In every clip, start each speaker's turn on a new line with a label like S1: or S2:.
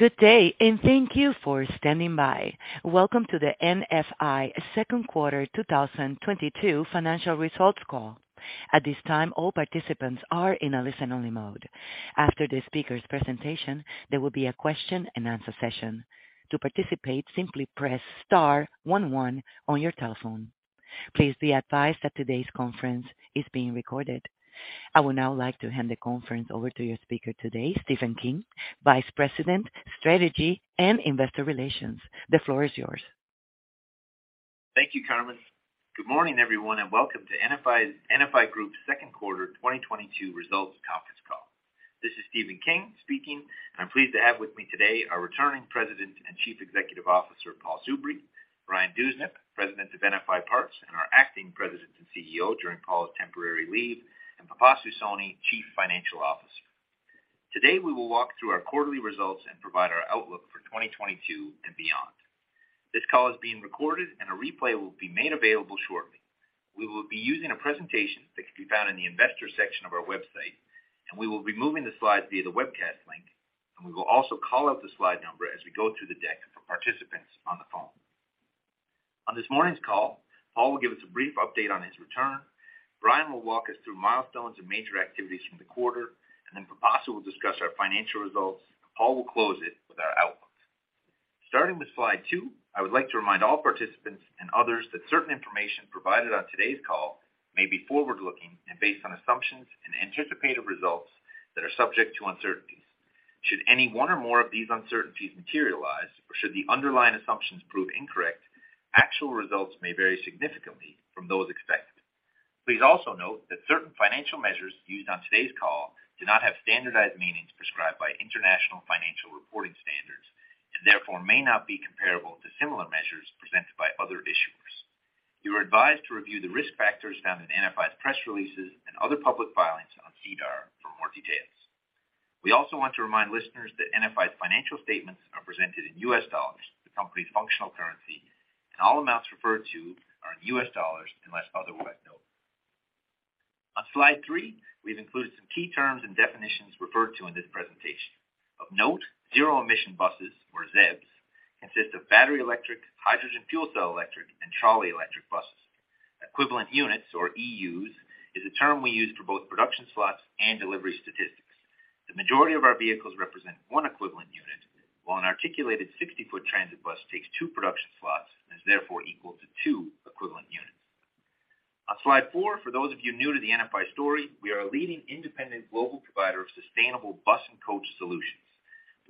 S1: Good day and thank you for standing by. Welcome to the NFI second quarter 2022 financial results call. At this time, all participants are in a listen-only mode. After the speaker's presentation, there will be a question-and-answer session. To participate, simply press star one one on your telephone. Please be advised that today's conference is being recorded. I would now like to hand the conference over to your speaker today, Stephen King, Vice President, strategy and investor relations. The floor is yours.
S2: Thank you, Carmen. Good morning, everyone, and welcome to NFI's, NFI Group's second quarter 2022 results conference call. This is Stephen King speaking, and I'm pleased to have with me today our returning President and Chief Executive Officer, Paul Soubry, Brian Dewsnup, President of NFI Parts, and our Acting President and CEO during Paul's temporary leave, and Pipasu Soni, Chief Financial Officer. Today, we will walk through our quarterly results and provide our outlook for 2022 and beyond. This call is being recorded, and a replay will be made available shortly. We will be using a presentation that can be found in the investor section of our website, and we will be moving the slides via the webcast link, and we will also call out the slide number as we go through the deck for participants on the phone. On this morning's call, Paul will give us a brief update on his return. Brian will walk us through milestones and major activities from the quarter, and then Pipasu will discuss our financial results. Paul will close it with our outlook. Starting with slide two, I would like to remind all participants and others that certain information provided on today's call may be forward-looking and based on assumptions and anticipated results that are subject to uncertainties. Should any one or more of these uncertainties materialize, or should the underlying assumptions prove incorrect, actual results may vary significantly from those expected. Please also note that certain financial measures used on today's call do not have standardized meanings prescribed by International Financial Reporting Standards and therefore may not be comparable to similar measures presented by other issuers. You are advised to review the risk factors found in NFI's press releases and other public filings on SEDAR for more details. We also want to remind listeners that NFI's financial statements are presented in U.S. dollars, the company's functional currency, and all amounts referred to are in U.S. dollars unless otherwise noted. On slide three, we've included some key terms and definitions referred to in this presentation. Of note, zero-emission buses, or ZEBs, consist of battery electric, hydrogen fuel cell electric, and trolley electric buses. Equivalent units, or EUs, is a term we use for both production slots and delivery statistics. The majority of our vehicles represent one equivalent unit, while an articulated 60 ft transit bus takes two production slots and is therefore equal to two equivalent units. On slide four, for those of you new to the NFI story, we are a leading independent global provider of sustainable bus and coach solutions.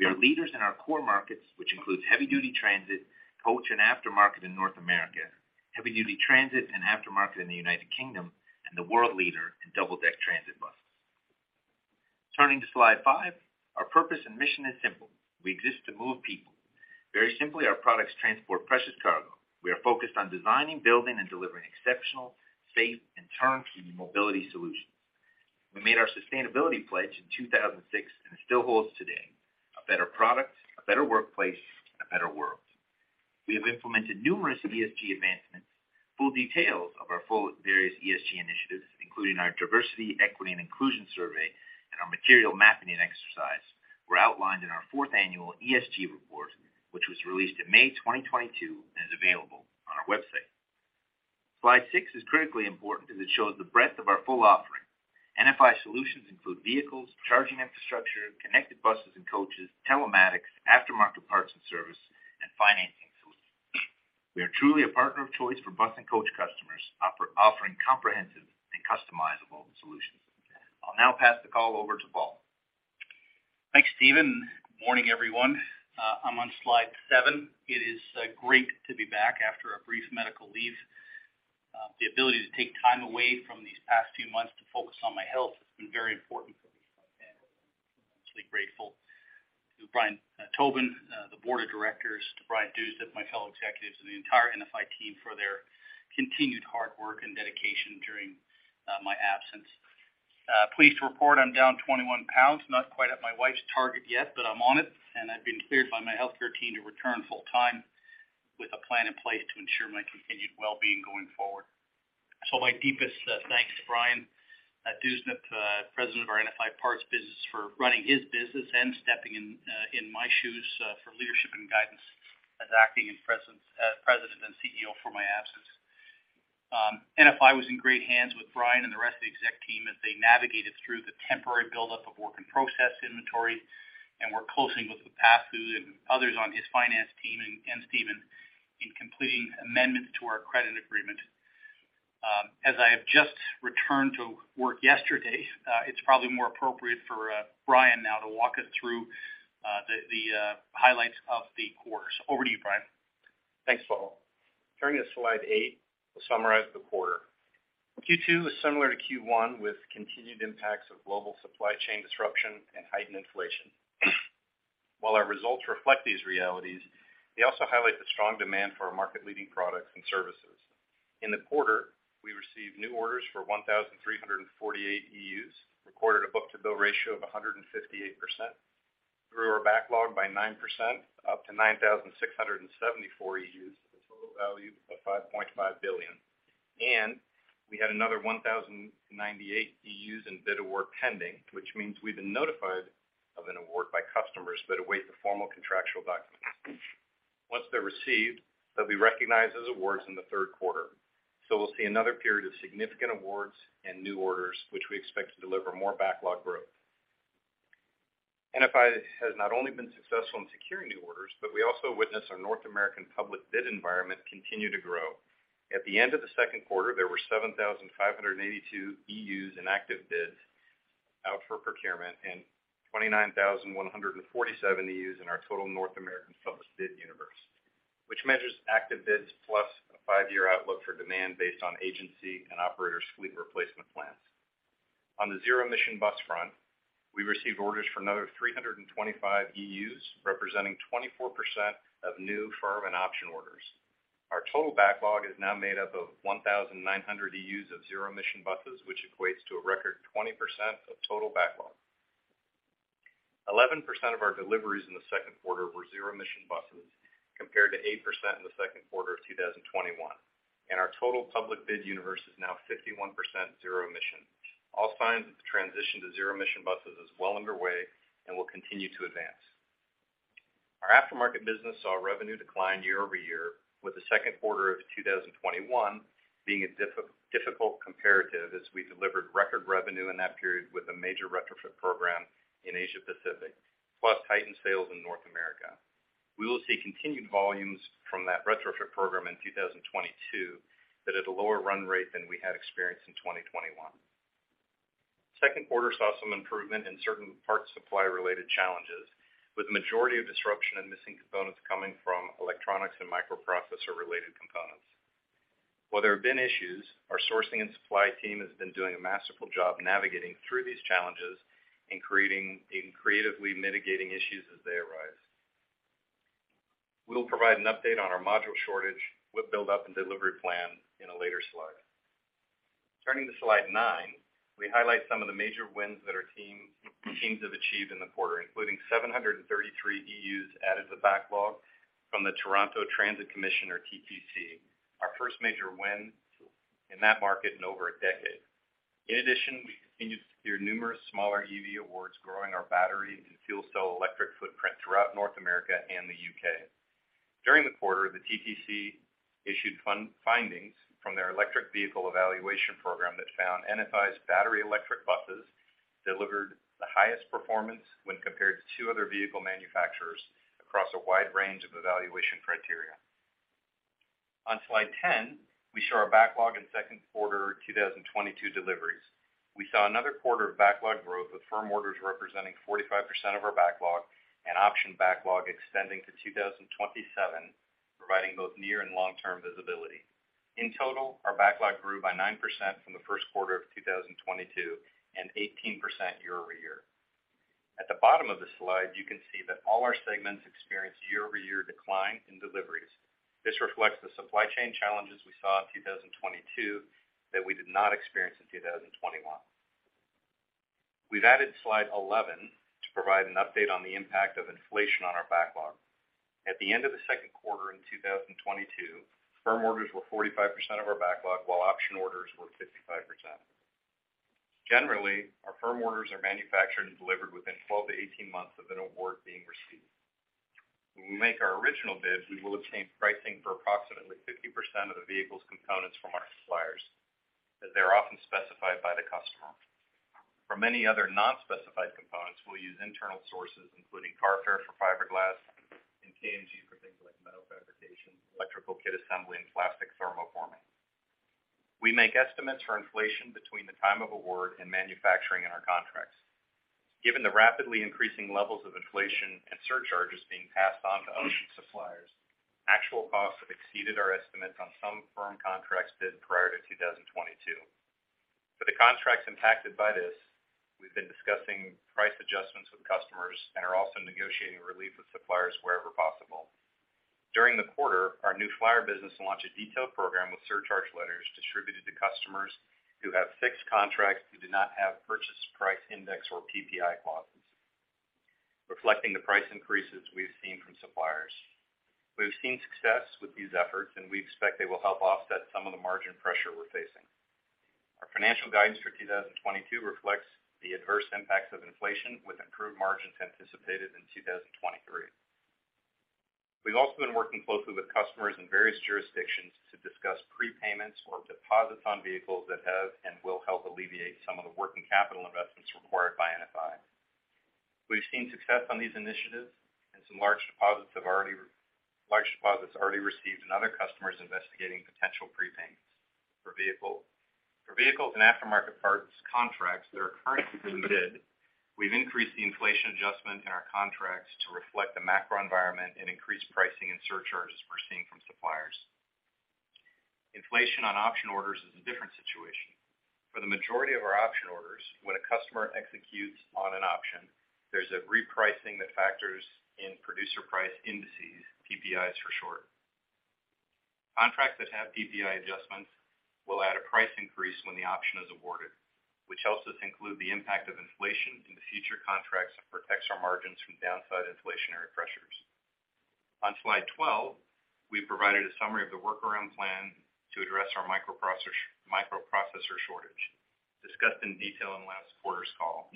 S2: We are leaders in our core markets, which includes heavy-duty transit, coach and aftermarket in North America, heavy-duty transit and aftermarket in the United Kingdom, and the world leader in double-deck transit buses. Turning to slide five, our purpose and mission is simple: We exist to move people. Very simply, our products transport precious cargo. We are focused on designing, building, and delivering exceptional, safe, and turnkey mobility solutions. We made our sustainability pledge in 2006, and it still holds today, a better product, a better workplace, a better world. We have implemented numerous ESG advancements. Full details of our various ESG initiatives, including our Diversity, Equity, and Inclusion survey and our material mapping and exercise, were outlined in our fourth annual ESG report, which was released in May 2022 and is available on our website. Slide 6 is critically important because it shows the breadth of our full offering. NFI solutions include vehicles, charging infrastructure, connected buses and coaches, telematics, aftermarket parts and service, and financing solutions. We are truly a partner of choice for bus and coach customers offering comprehensive and customizable solutions. I'll now pass the call over to Paul.
S3: Thanks, Stephen. Morning, everyone. I'm on slide seven. It is great to be back after a brief medical leave. The ability to take time away from these past few months to focus on my health has been very important for me. I'm immensely grateful to Brian Tobin, the board of directors, to Brian Dewsnup, my fellow executives, and the entire NFI team for their continued hard work and dedication during my absence. Pleased to report I'm down 21 pounds, not quite at my wife's target yet, but I'm on it, and I've been cleared by my healthcare team to return full-time with a plan in place to ensure my continued well-being going forward. My deepest thanks to Brian Dewsnup, president of our NFI Parts business, for running his business and stepping in in my shoes for leadership and guidance as president and CEO for my absence. NFI was in great hands with Brian and the rest of the exec team as they navigated through the temporary buildup of work in process inventory and worked closely with Pipasu and others on his finance team and Stephen in completing amendments to our credit agreement. As I have just returned to work yesterday, it's probably more appropriate for Brian now to walk us through the highlights of the quarter. Over to you, Brian.
S4: Thanks, Paul. Turning to slide eight, we'll summarize the quarter. Q2 was similar to Q1, with continued impacts of global supply chain disruption and heightened inflation. While our results reflect these realities, they also highlight the strong demand for our market-leading products and services. In the quarter, we received new orders for 1,348, recorded a book-to-bill ratio of 158%, grew our backlog by 9% up to 9,674. Value of $5.5 billion. We had another 1,098 in bid award pending, which means we've been notified of an award by customers but await the formal contractual documents. Once they're received, they'll be recognized as awards in the third quarter. We'll see another period of significant awards and new orders, which we expect to deliver more backlog growth. NFI has not only been successful in securing new orders, but we also witness our North American public bid environment continue to grow. At the end of the second quarter, there were 7,582 in active bids out for procurement and 29,147 in our total North American public bid universe, which measures active bids plus a five-year outlook for demand based on agency and operator fleet replacement plans. On the zero-emission bus front, we received orders for another 325, representing 24% of new firm and option orders. Our total backlog is now made up of 1,900 of zero-emission buses, which equates to a record 20% of total backlog. 11% of our deliveries in the second quarter were zero-emission buses, compared to 8% in the second quarter of 2021, and our total public bid universe is now 51% zero emission. All signs of the transition to zero-emission buses is well underway and will continue to advance. Our aftermarket business saw revenue decline year-over-year, with the second quarter of 2021 being a difficult comparative as we delivered record revenue in that period with a major retrofit program in Asia-Pacific, plus heightened sales in North America. We will see continued volumes from that retrofit program in 2022, but at a lower run rate than we had experienced in 2021. Second quarter saw some improvement in certain parts supply related challenges, with the majority of disruption and missing components coming from electronics and microprocessor-related components. While there have been issues, our sourcing and supply team has been doing a masterful job navigating through these challenges and creating and creatively mitigating issues as they arise. We will provide an update on our module shortage, WIP build up and delivery plan in a later slide. Turning to slide nine, we highlight some of the major wins that our teams have achieved in the quarter, including 733 added to backlog from the Toronto Transit Commission, or TTC, our first major win in that market in over a decade. In addition, we continued to secure numerous smaller EV awards growing our battery and fuel cell electric footprint throughout North America and the U.K. During the quarter, the TTC issued findings from their electric vehicle evaluation program that found NFI's battery electric buses delivered the highest performance when compared to two other vehicle manufacturers across a wide range of evaluation criteria. On slide 10, we show our backlog and second quarter 2022 deliveries. We saw another quarter of backlog growth, with firm orders representing 45% of our backlog and option backlog extending to 2027, providing both near and long-term visibility. In total, our backlog grew by 9% from the first quarter of 2022 and 18% year-over-year. At the bottom of the slide, you can see that all our segments experienced year-over-year decline in deliveries. This reflects the supply chain challenges we saw in 2022 that we did not experience in 2021. We've added slide 11 to provide an update on the impact of inflation on our backlog. At the end of the second quarter in 2022, firm orders were 45% of our backlog, while option orders were 55%. Generally, our firm orders are manufactured and delivered within 12-18 months of an award being received. When we make our original bids, we will obtain pricing for approximately 50% of the vehicle's components from our suppliers, as they are often specified by the customer. For many other non-specified components, we'll use internal sources, including Carfair for fiberglass and KMG for things like metal fabrication, electrical kit assembly, and plastic thermoforming. We make estimates for inflation between the time of award and manufacturing in our contracts. Given the rapidly increasing levels of inflation and surcharges being passed on to suppliers, actual costs have exceeded our estimates on some firm contracts bid prior to 2022. For the contracts impacted by this, we've been discussing price adjustments with customers and are also negotiating relief with suppliers wherever possible. During the quarter, our New Flyer business launched a detailed program with surcharge letters distributed to customers who have fixed contracts who do not have purchase price index or PPI clauses reflecting the price increases we've seen from suppliers. We've seen success with these efforts, and we expect they will help offset some of the margin pressure we're facing. Our financial guidance for 2022 reflects the adverse impacts of inflation with improved margins anticipated in 2023. We've also been working closely with customers in various jurisdictions to discuss prepayments or deposits on vehicles that have and will help alleviate some of the working capital investments required by NFI. We've seen success on these initiatives, and some large deposits have already received and other customers investigating potential prepayments for vehicle. For vehicles and aftermarket parts contracts that are currently bid, we've increased the inflation adjustment in our contracts to reflect the macro environment and increased pricing and surcharges we're seeing from suppliers. Inflation on option orders is a different situation. For the majority of our option orders, when a customer executes on an option, there's a repricing that factors in producer price indices, PPIs for short. Contracts that have PPI adjustments. We'll add a price increase when the option is awarded, which helps us include the impact of inflation in the future contracts and protects our margins from downside inflationary pressures. On slide 12, we provided a summary of the workaround plan to address our microprocessor shortage, discussed in detail in last quarter's call.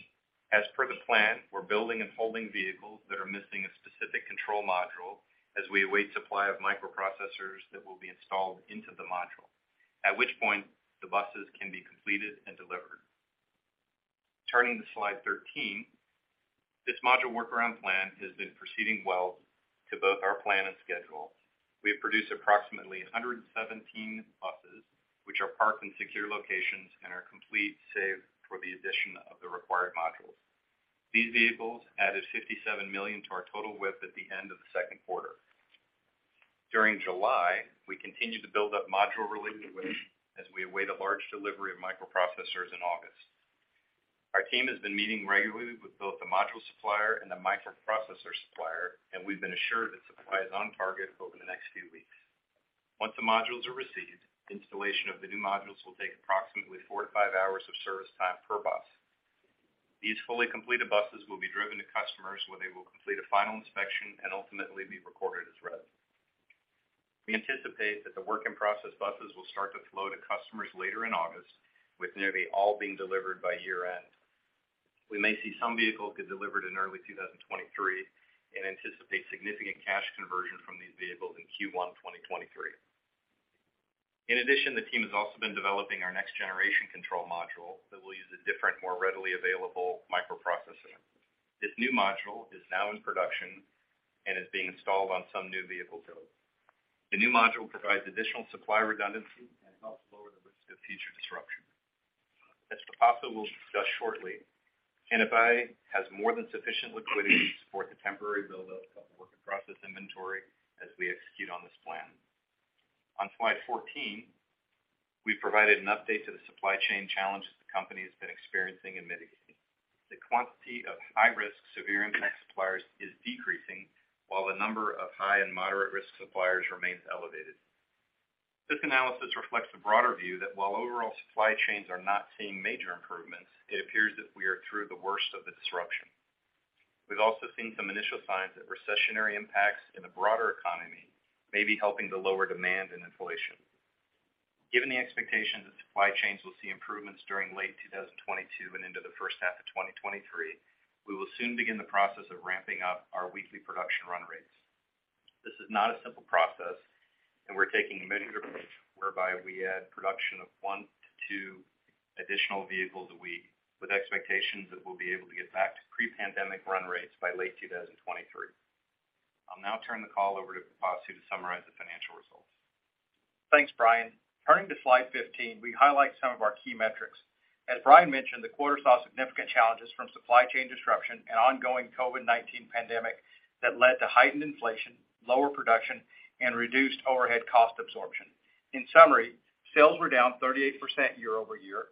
S4: As per the plan, we're building and holding vehicles that are missing a specific control module as we await supply of microprocessors that will be installed into the module, at which point the buses can be completed and delivered. Turning to slide 13, this module workaround plan has been proceeding well to both our plan and schedule. We have produced approximately 117 buses, which are parked in secure locations and are complete, save for the addition of the required modules. These vehicles added $57 million to our total withheld at the end of the second quarter. During July, we continued to build up module-related withheld as we await a large delivery of microprocessors in August. Our team has been meeting regularly with both the module supplier and the microprocessor supplier, and we've been assured that supply is on target over the next few weeks. Once the modules are received, installation of the new modules will take approximately four-five hours of service time per bus. These fully completed buses will be driven to customers, where they will complete a final inspection and ultimately be recorded as rev rec. We anticipate that the work-in-process buses will start to flow to customers later in August, with nearly all being delivered by year-end. We may see some vehicles get delivered in early 2023 and anticipate significant cash conversion from these vehicles in Q1 2023. In addition, the team has also been developing our next generation control module that will use a different, more readily available microprocessor. This new module is now in production and is being installed on some new vehicle builds. The new module provides additional supply redundancy and helps lower the risk of future disruption. As Pipasu will discuss shortly, NFI has more than sufficient liquidity to support the temporary buildup of work-in-process inventory as we execute on this plan. On slide 14, we provided an update to the supply chain challenges the company has been experiencing and mitigating. The quantity of high-risk, severe impact suppliers is decreasing, while the number of high and moderate risk suppliers remains elevated. This analysis reflects a broader view that while overall supply chains are not seeing major improvements, it appears that we are through the worst of the disruption. We've also seen some initial signs that recessionary impacts in the broader economy may be helping to lower demand and inflation. Given the expectation that supply chains will see improvements during late 2022 and into the first half of 2023, we will soon begin the process of ramping up our weekly production run rates. This is not a simple process, and we're taking a measured approach whereby we add production of one-two additional vehicles a week with expectations that we'll be able to get back to pre-pandemic run rates by late 2023. I'll now turn the call over to Pipasu Soni to summarize the financial results.
S5: Thanks, Brian. Turning to slide 15, we highlight some of our key metrics. As Brian mentioned, the quarter saw significant challenges from supply chain disruption and ongoing COVID-19 pandemic that led to heightened inflation, lower production, and reduced overhead cost absorption. In summary, sales were down 38% year-over-year.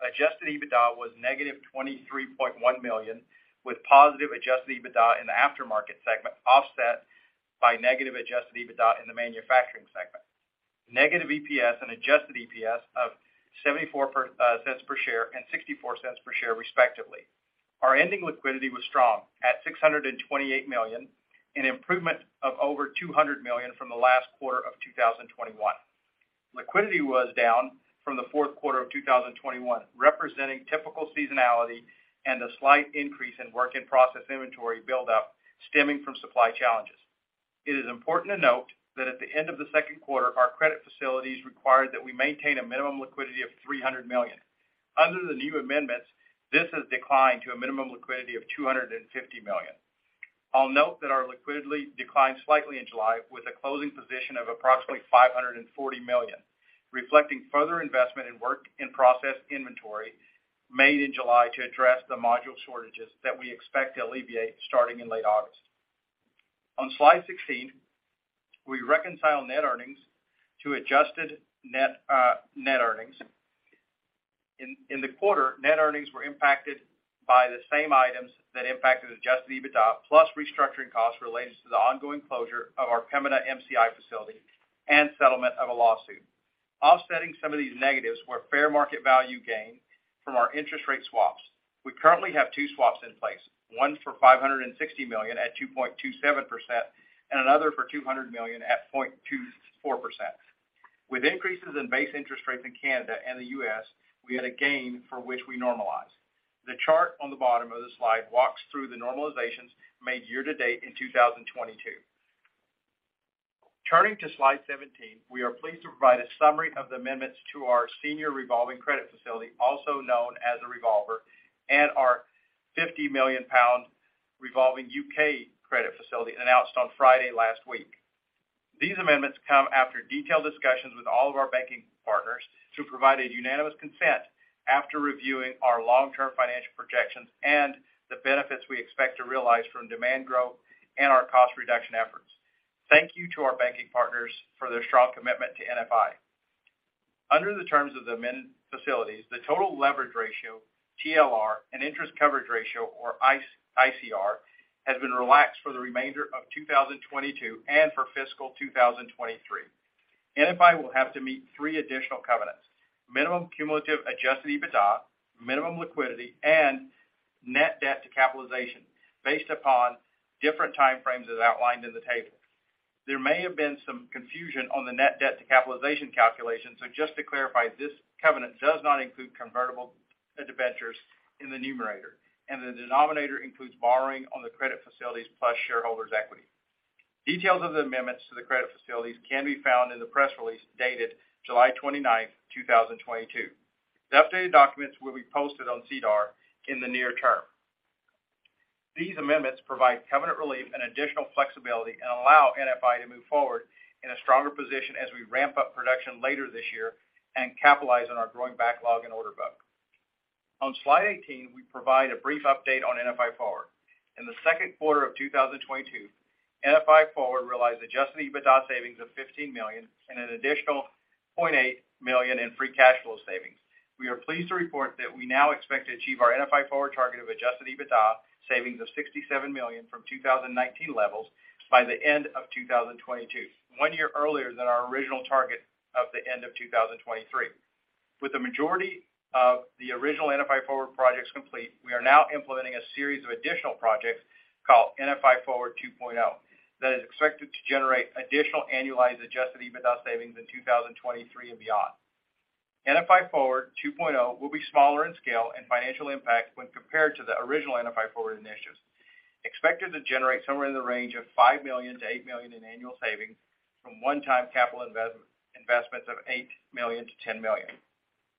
S5: Adjusted EBITDA was -$23.1 million, with positive adjusted EBITDA in the aftermarket segment offset by negative adjusted EBITDA in the manufacturing segment. Negative EPS and adjusted EPS of -$0.74 Per share and -$0.64 Per share, respectively. Our ending liquidity was strong at $628 million, an improvement of over $200 million from the last quarter of 2021. Liquidity was down from the fourth quarter of 2021, representing typical seasonality and a slight increase in work-in-process inventory buildup stemming from supply challenges. It is important to note that at the end of the second quarter, our credit facilities required that we maintain a minimum liquidity of $300 million. Under the new amendments, this has declined to a minimum liquidity of $250 million. I'll note that our liquidity declined slightly in July with a closing position of approximately $540 million, reflecting further investment in work-in-process inventory made in July to address the module shortages that we expect to alleviate starting in late August. On slide 16, we reconcile net earnings to adjusted net earnings. In the quarter, net earnings were impacted by the same items that impacted adjusted EBITDA, plus restructuring costs related to the ongoing closure of our Pembina MCI facility and settlement of a lawsuit. Offsetting some of these negatives were fair market value gain from our interest rate swaps. We currently have two swaps in place, one for 560 million at 2.27% and another for 200 million at 0.24%. With increases in base interest rates in Canada and the U.S., we had a gain for which we normalize. The chart on the bottom of the slide walks through the normalizations made year to date in 2022. Turning to slide 17, we are pleased to provide a summary of the amendments to our senior revolving credit facility, also known as a revolver, and our 50 million pound revolving U.K. credit facility announced on Friday last week. These amendments come after detailed discussions with all of our banking partners who provided unanimous consent after reviewing our long-term financial projections and the benefits we expect to realize from demand growth and our cost reduction efforts. Thank you to our banking partners for their strong commitment to NFI. Under the terms of the amended facilities, the total leverage ratio (TLR) and interest coverage ratio (ICR) has been relaxed for the remainder of 2022 and for fiscal 2023. NFI will have to meet three additional covenants, minimum cumulative adjusted EBITDA, minimum liquidity, and net debt to capitalization based upon different time frames as outlined in the table. There may have been some confusion on the net debt to capitalization calculation, so just to clarify, this covenant does not include convertible debentures in the numerator, and the denominator includes borrowing on the credit facilities plus shareholders' equity. Details of the amendments to the credit facilities can be found in the press release dated July 29th, 2022. The updated documents will be posted on SEDAR in the near term. These amendments provide covenant relief and additional flexibility and allow NFI to move forward in a stronger position as we ramp up production later this year and capitalize on our growing backlog and order book. On slide 18, we provide a brief update on NFI Forward. In the second quarter of 2022, NFI Forward realized adjusted EBITDA savings of $15 million and an additional $0.8 million in free cash flow savings. We are pleased to report that we now expect to achieve our NFI Forward target of adjusted EBITDA savings of $67 million from 2019 levels by the end of 2022, one year earlier than our original target of the end of 2023. With the majority of the original NFI Forward projects complete, we are now implementing a series of additional projects called NFI Forward 2.0 that is expected to generate additional annualized adjusted EBITDA savings in 2023 and beyond. NFI Forward 2.0 will be smaller in scale and financial impact when compared to the original NFI Forward initiatives, expected to generate somewhere in the range of $5 million-$8 million in annual savings from one-time capital investments of $8 million-$10 million.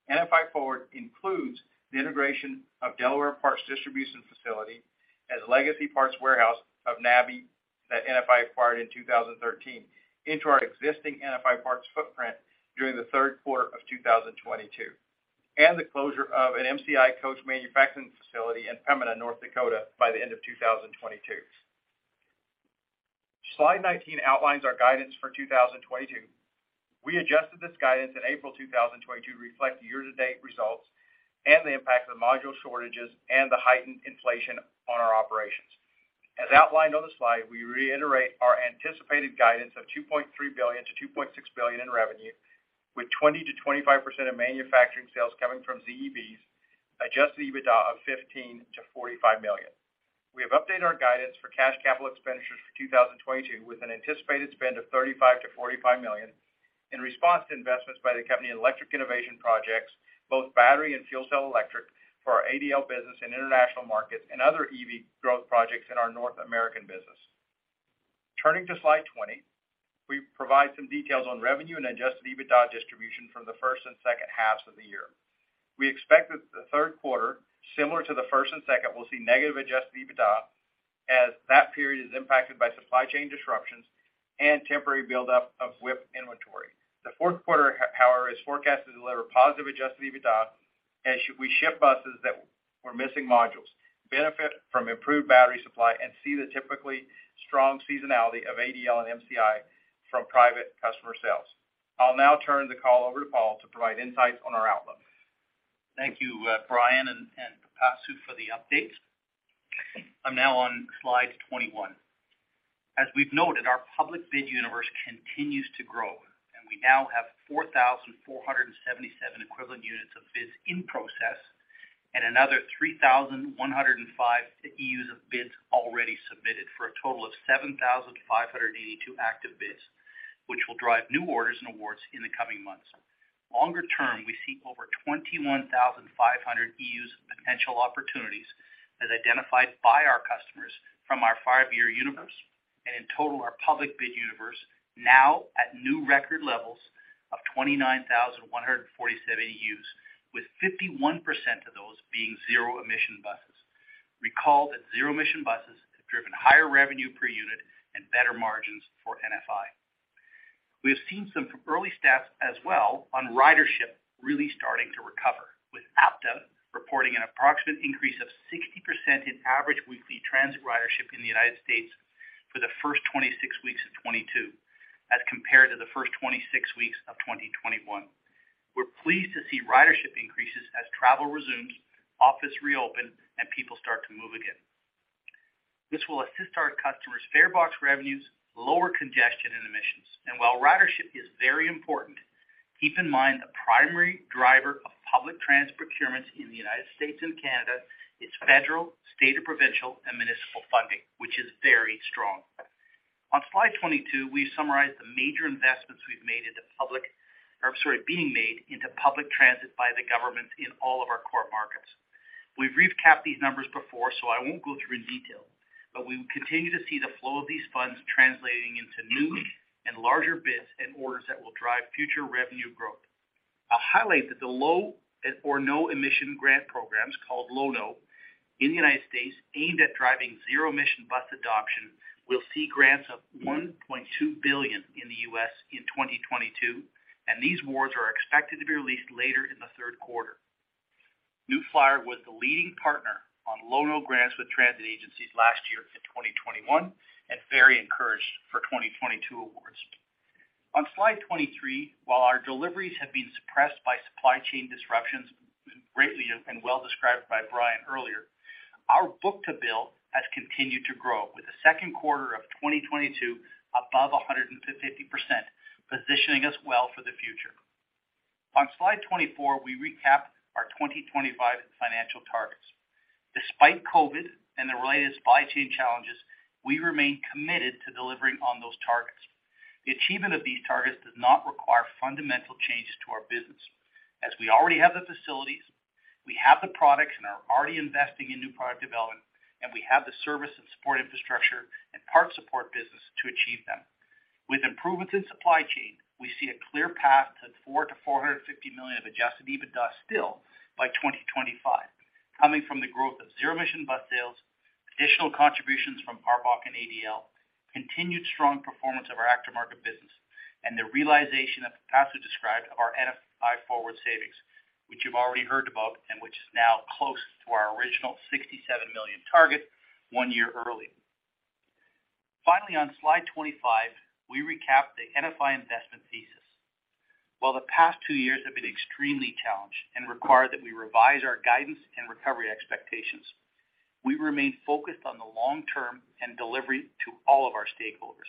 S5: NFI Forward includes the integration of NFI Parts Delaware distribution facility as legacy parts warehouse of Nabi that NFI acquired in 2013 into our existing NFI Parts footprint during the third quarter of 2022, and the closure of an MCI Coach manufacturing facility in Pembina, North Dakota, by the end of 2022. Slide 19 outlines our guidance for 2022. We adjusted this guidance in April 2022 to reflect year-to-date results and the impact of the module shortages and the heightened inflation on our operations. As outlined on the slide, we reiterate our anticipated guidance of $2.3 billion-$2.6 billion in revenue, with 20%-25% of manufacturing sales coming from ZEBs adjusted EBITDA of $15 million-$45 million. We have updated our guidance for cash capital expenditures for 2022 with an anticipated spend of $35 million-$45 million in response to investments by the company in electric innovation projects, both battery and fuel cell electric for our ADL business in international markets and other EV growth projects in our North American business. Turning to slide 20, we provide some details on revenue and adjusted EBITDA distribution from the first and second halves of the year. We expect that the third quarter, similar to the first and second, will see negative adjusted EBITDA as that period is impacted by supply chain disruptions and temporary buildup of WIP inventory. The fourth quarter, however, is forecasted to deliver positive adjusted EBITDA as we ship buses that were missing modules, benefit from improved battery supply, and see the typically strong seasonality of ADL and MCI from private customer sales. I'll now turn the call over to Paul to provide insights on our outlook.
S3: Thank you, Brian and Pipasu Soni for the updates. I'm now on slide 21. As we've noted, our public bid universe continues to grow, and we now have 4,477 equivalent units of bids in process and another 3,105 of bids already submitted, for a total of 7,582 active bids, which will drive new orders and awards in the coming months. Longer term, we see over 21,500 of potential opportunities as identified by our customers from our five-year universe. In total, our public bid universe now at new record levels of 29,147, with 51% of those being zero-emission buses. Recall that zero-emission buses have driven higher revenue per unit and better margins for NFI. We have seen some early stats as well on ridership really starting to recover, with APTA reporting an approximate increase of 60% in average weekly transit ridership in the United States for the first 26 weeks of 2022, as compared to the first 26 weeks of 2021. We're pleased to see ridership increases as travel resumes, office reopen, and people start to move again. This will assist our customers' farebox revenues, lower congestion and emissions. While ridership is very important, keep in mind the primary driver of public transit procurements in the United States and Canada is federal, state, or provincial and municipal funding, which is very strong. On slide 22, we summarize the major investments being made into public transit by the government in all of our core markets. We've recapped these numbers before, so I won't go through in detail, but we will continue to see the flow of these funds translating into new and larger bids and orders that will drive future revenue growth. I'll highlight that the Low or No Emission Grant Program, called Low No, in the United States aimed at driving zero-emission bus adoption will see grants of $1.2 billion in the U.S. in 2022, and these awards are expected to be released later in the third quarter. New Flyer was the leading partner on Low-No grants with transit agencies last year in 2021, and very encouraged for 2022 awards. On slide 23, while our deliveries have been suppressed by supply chain disruptions greatly and well described by Brian earlier, our book-to-bill has continued to grow, with the second quarter of 2022 above 150%, positioning us well for the future. On slide 24, we recap our 2025 financial targets. Despite COVID and the related supply chain challenges, we remain committed to delivering on those targets. The achievement of these targets does not require fundamental changes to our business, as we already have the facilities, we have the products and are already investing in new product development, and we have the service and support infrastructure and parts support business to achieve them. With improvements in supply chain, we see a clear path to $400 million-$450 million of adjusted EBITDA still by 2025, coming from the growth of zero emission bus sales, additional contributions from ARBOC and ADL, continued strong performance of our aftermarket business, and the realization of the capacity described of our NFI Forward savings, which you've already heard about and which is now close to our original $67 million target one year early. Finally, on slide 25, we recap the NFI investment thesis. While the past two years have been extremely challenged and require that we revise our guidance and recovery expectations, we remain focused on the long term and delivery to all of our stakeholders.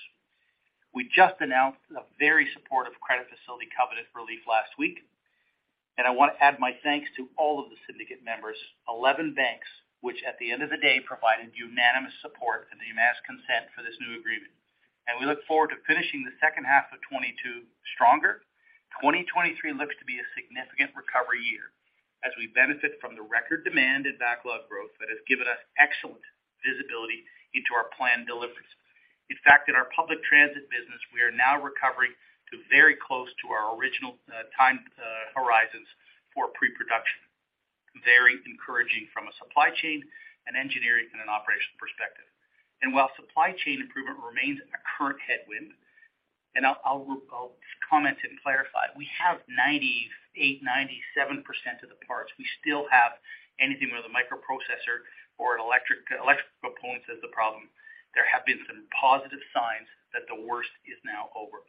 S3: We just announced a very supportive credit facility covenant relief last week, and I want to add my thanks to all of the syndicate members, 11 banks, which at the end of the day, provided unanimous support and the mass consent for this new agreement. We look forward to finishing the second half of 2022 stronger. 2023 looks to be a significant recovery year as we benefit from the record demand and backlog growth that has given us excellent visibility into our planned deliveries. In fact, in our public transit business, we are now recovering to very close to our original time horizons for pre-production. Very encouraging from a supply chain and engineering and an operational perspective. While supply chain improvement remains a current headwind, and I'll comment and clarify, we have 98%, 97% of the parts. We still have anything with a microprocessor or electric components as the problem. There have been some positive signs that the worst is now over.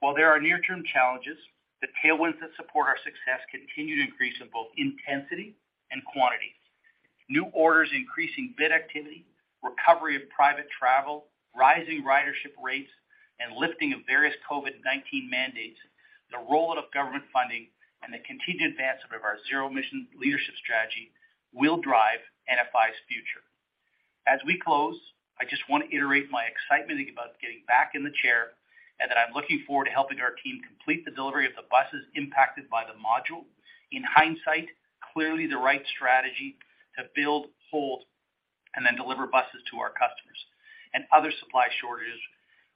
S3: While there are near-term challenges, the tailwinds that support our success continue to increase in both intensity and quantity. New orders, increasing bid activity, recovery of private travel, rising ridership rates, and lifting of various COVID-19 mandates, the rollout of government funding, and the continued advancement of our zero-emission leadership strategy will drive NFI's future. As we close, I just want to iterate my excitement about getting back in the chair and that I'm looking forward to helping our team complete the delivery of the buses impacted by the module. In hindsight, clearly the right strategy to build, hold, and then deliver buses to our customers and other supply shortages.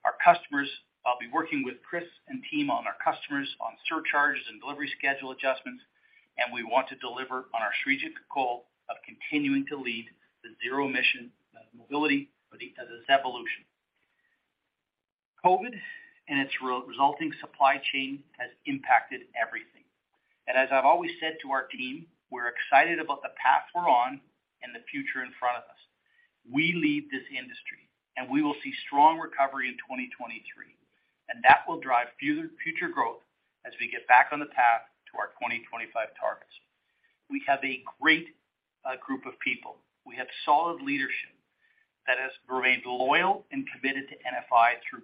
S3: Our customers, I'll be working with Chris and team on our customers on surcharges and delivery schedule adjustments, and we want to deliver on our strategic goal of continuing to lead the zero emission mobility as its evolution. COVID and its resulting supply chain has impacted everything. As I've always said to our team, we're excited about the path we're on and the future in front of us. We lead this industry, and we will see strong recovery in 2023, and that will drive future growth as we get back on the path to our 2025 targets. We have a great group of people. We have solid leadership that has remained loyal and committed to NFI through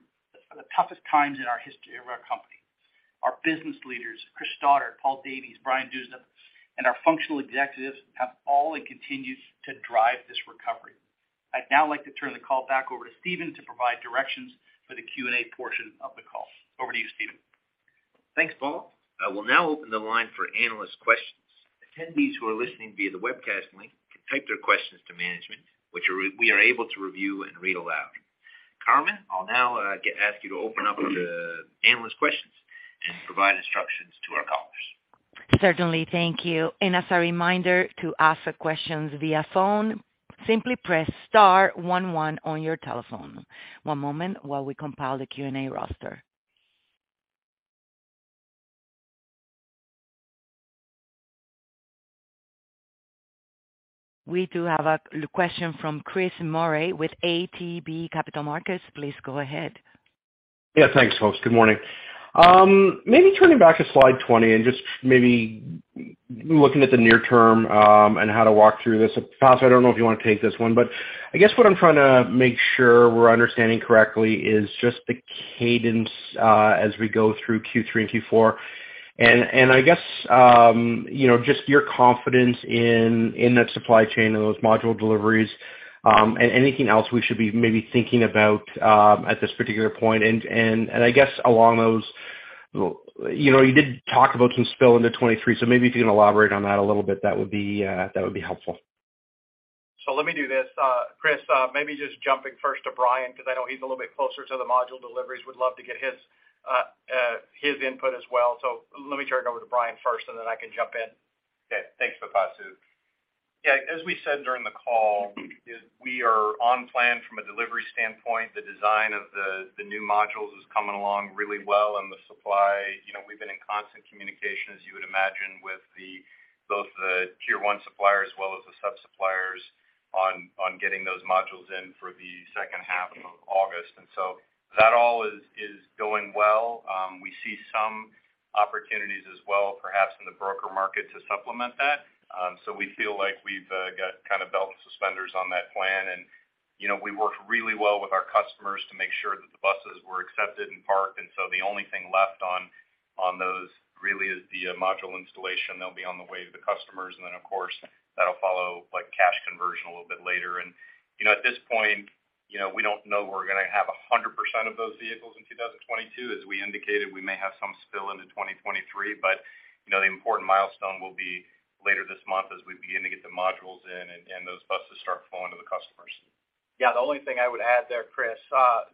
S3: the toughest times in our history of our company. Our business leaders, Chris Stoddart, Paul Davies, Brian Dewsnup, and our functional executives have all and continues to drive this recovery. I'd now like to turn the call back over to Stephen to provide directions for the Q&A portion of the call. Over to you, Stephen.
S2: Thanks, Paul. I will now open the line for analyst questions. Attendees who are listening via the webcast link can type their questions to management, which we are able to review and read aloud. Carmen, I'll now ask you to open up the analyst questions and provide instructions to our callers.
S1: Certainly. Thank you. As a reminder to ask questions via phone, simply press star one one on your telephone. One moment while we compile the Q&A roster. We do have a question from Chris Murray with ATB Capital Markets. Please go ahead.
S6: Yeah, thanks, folks. Good morning. Maybe turning back to slide 20 and just maybe looking at the near term, and how to walk through this. Pipasu, I don't know if you want to take this one, but I guess what I'm trying to make sure we're understanding correctly is just the cadence as we go through Q3 and Q4. I guess you know just your confidence in that supply chain and those module deliveries, and anything else we should be maybe thinking about at this particular point. I guess along those, you know, you did talk about some spill into 2023, so maybe if you can elaborate on that a little bit, that would be helpful.
S5: Let me do this. Chris, maybe just jumping first to Brian, because I know he's a little bit closer to the module deliveries. Would love to get his input as well. Let me turn it over to Brian first, and then I can jump in.
S4: Okay. Thanks, Pipasu. Yeah, as we said during the call, is we are on plan from a delivery standpoint. The design of the new modules is coming along really well and the supply, you know, we've been in constant communication, as you would imagine, with both the tier one supplier as well as the sub-suppliers on getting those modules in for the second half of August. That all is going well. We see some opportunities as well, perhaps in the broker market to supplement that. We feel like we've got kind of belt and suspenders on that plan. You know, we worked really well with our customers to make sure that the buses were accepted and parked. The only thing left on those really is the module installation. They'll be on the way to the customers, and then of course, that'll follow like cash conversion a little bit later. You know, at this point, you know, we don't know we're gonna have 100% of those vehicles in 2022. As we indicated, we may have some spill into 2023, but, you know, the important milestone will be later this month as we begin to get the modules in and those buses start flowing to the customers.
S5: Yeah. The only thing I would add there, Chris,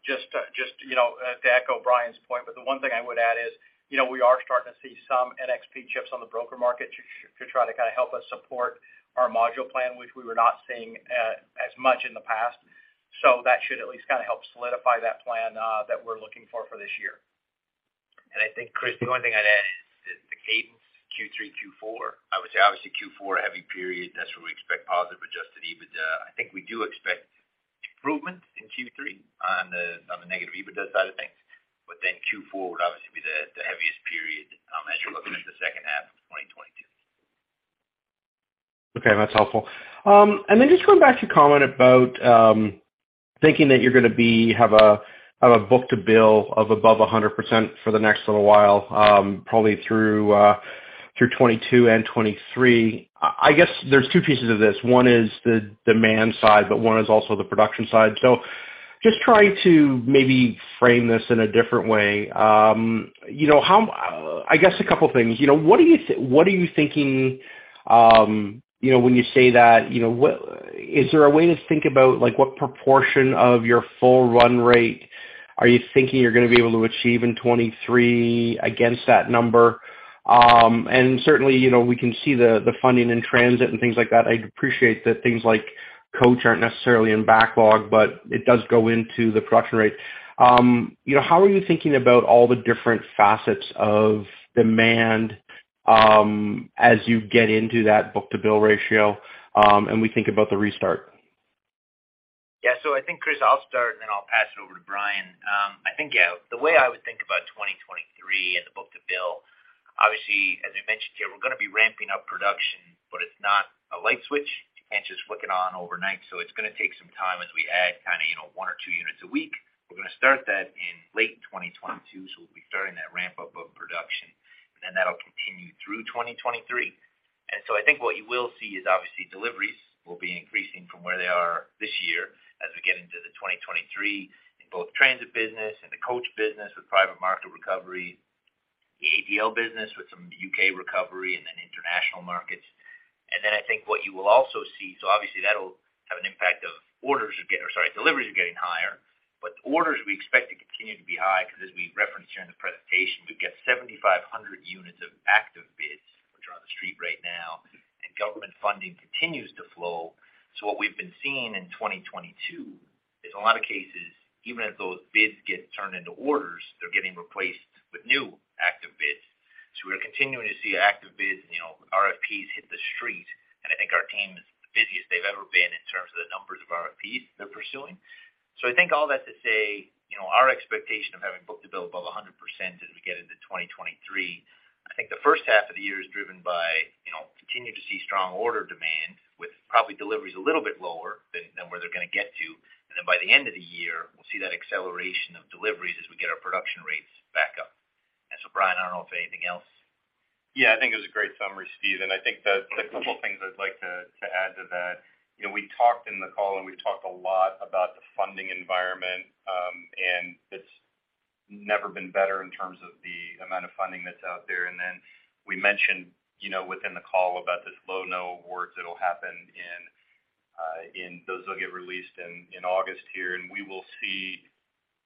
S5: just, you know, to echo Brian's point, but the one thing I would add is, you know, we are starting to see some NXP chips on the broker market to try to kind of help us support our module plan, which we were not seeing as much in the past. So that should at least kind of help solidify that plan that we're looking for this year.
S2: I think, Chris, the only thing I'd add is the cadence Q3-Q4. I would say obviously Q4 a heavy period. That's where we expect positive adjusted EBITDA. I think we do expect improvement in Q3 on the negative EBITDA side of things, but then Q4 would obviously be the heaviest period, as you're looking at the second half of 2022.
S6: Okay. That's helpful. And then just going back to your comment about thinking that you're gonna have a book-to-bill of above 100% for the next little while, probably through 2022 and 2023. I guess there's two pieces of this. One is the demand side, but one is also the production side. So just try to maybe frame this in a different way. You know, I guess a couple things. You know, what are you thinking, you know, when you say that, you know, what is there a way to think about like what proportion of your full run rate are you thinking you're gonna be able to achieve in 2023 against that number? And certainly, you know, we can see the funding in transit and things like that. I appreciate that things like coach aren't necessarily in backlog, but it does go into the production rate. You know, how are you thinking about all the different facets of demand, as you get into that book-to-bill ratio, and we think about the restart?
S2: I think, Chris, I'll start and then I'll pass it over to Brian. I think, the way I would think about 2023 and the book-to-bill, obviously, as we mentioned here, we're gonna be ramping up production, but it's not a light switch. You can't just flick it on overnight. It's gonna take some time as we add kind of, you know, one or two units a week. We're gonna start that in late 2022, so we'll be starting that ramp up of production. Then that'll continue through 2023. I think what you will see is obviously deliveries will be increasing from where they are this year as we get into the 2023 in both transit business and the coach business with private market recovery, the ADL business with some U.K. recovery and then international markets. I think what you will also see, so obviously that'll have an impact if deliveries are getting higher. Orders we expect to continue to be high because as we referenced here in the presentation, we've got 7,500 units of active bids which are on the street right now, and government funding continues to flow. What we've been seeing in 2022 is a lot of cases, even as those bids get turned into orders, they're getting replaced with new active bids. We're continuing to see active bids, you know, RFPs hit the street, and I think our team is the busiest they've ever been in terms of the numbers of RFPs they're pursuing. I think all that to say, you know, our expectation of having book-to-bill above 100% as we get into 2023. I think the first half of the year is driven by, you know, continue to see strong order demand with probably deliveries a little bit lower than where they're gonna get to. By the end of the year, we'll see that acceleration of deliveries as we get our production rates back up. Brian, I don't know if there's anything else.
S4: Yeah. I think it was a great summary, Steve. I think the couple things I'd like to add to that, you know, we talked in the call and we've talked a lot about the funding environment, and it's never been better in terms of the amount of funding that's out there. Then we mentioned, you know, within the call about this Low-No awards that'll happen in August here, and we will see,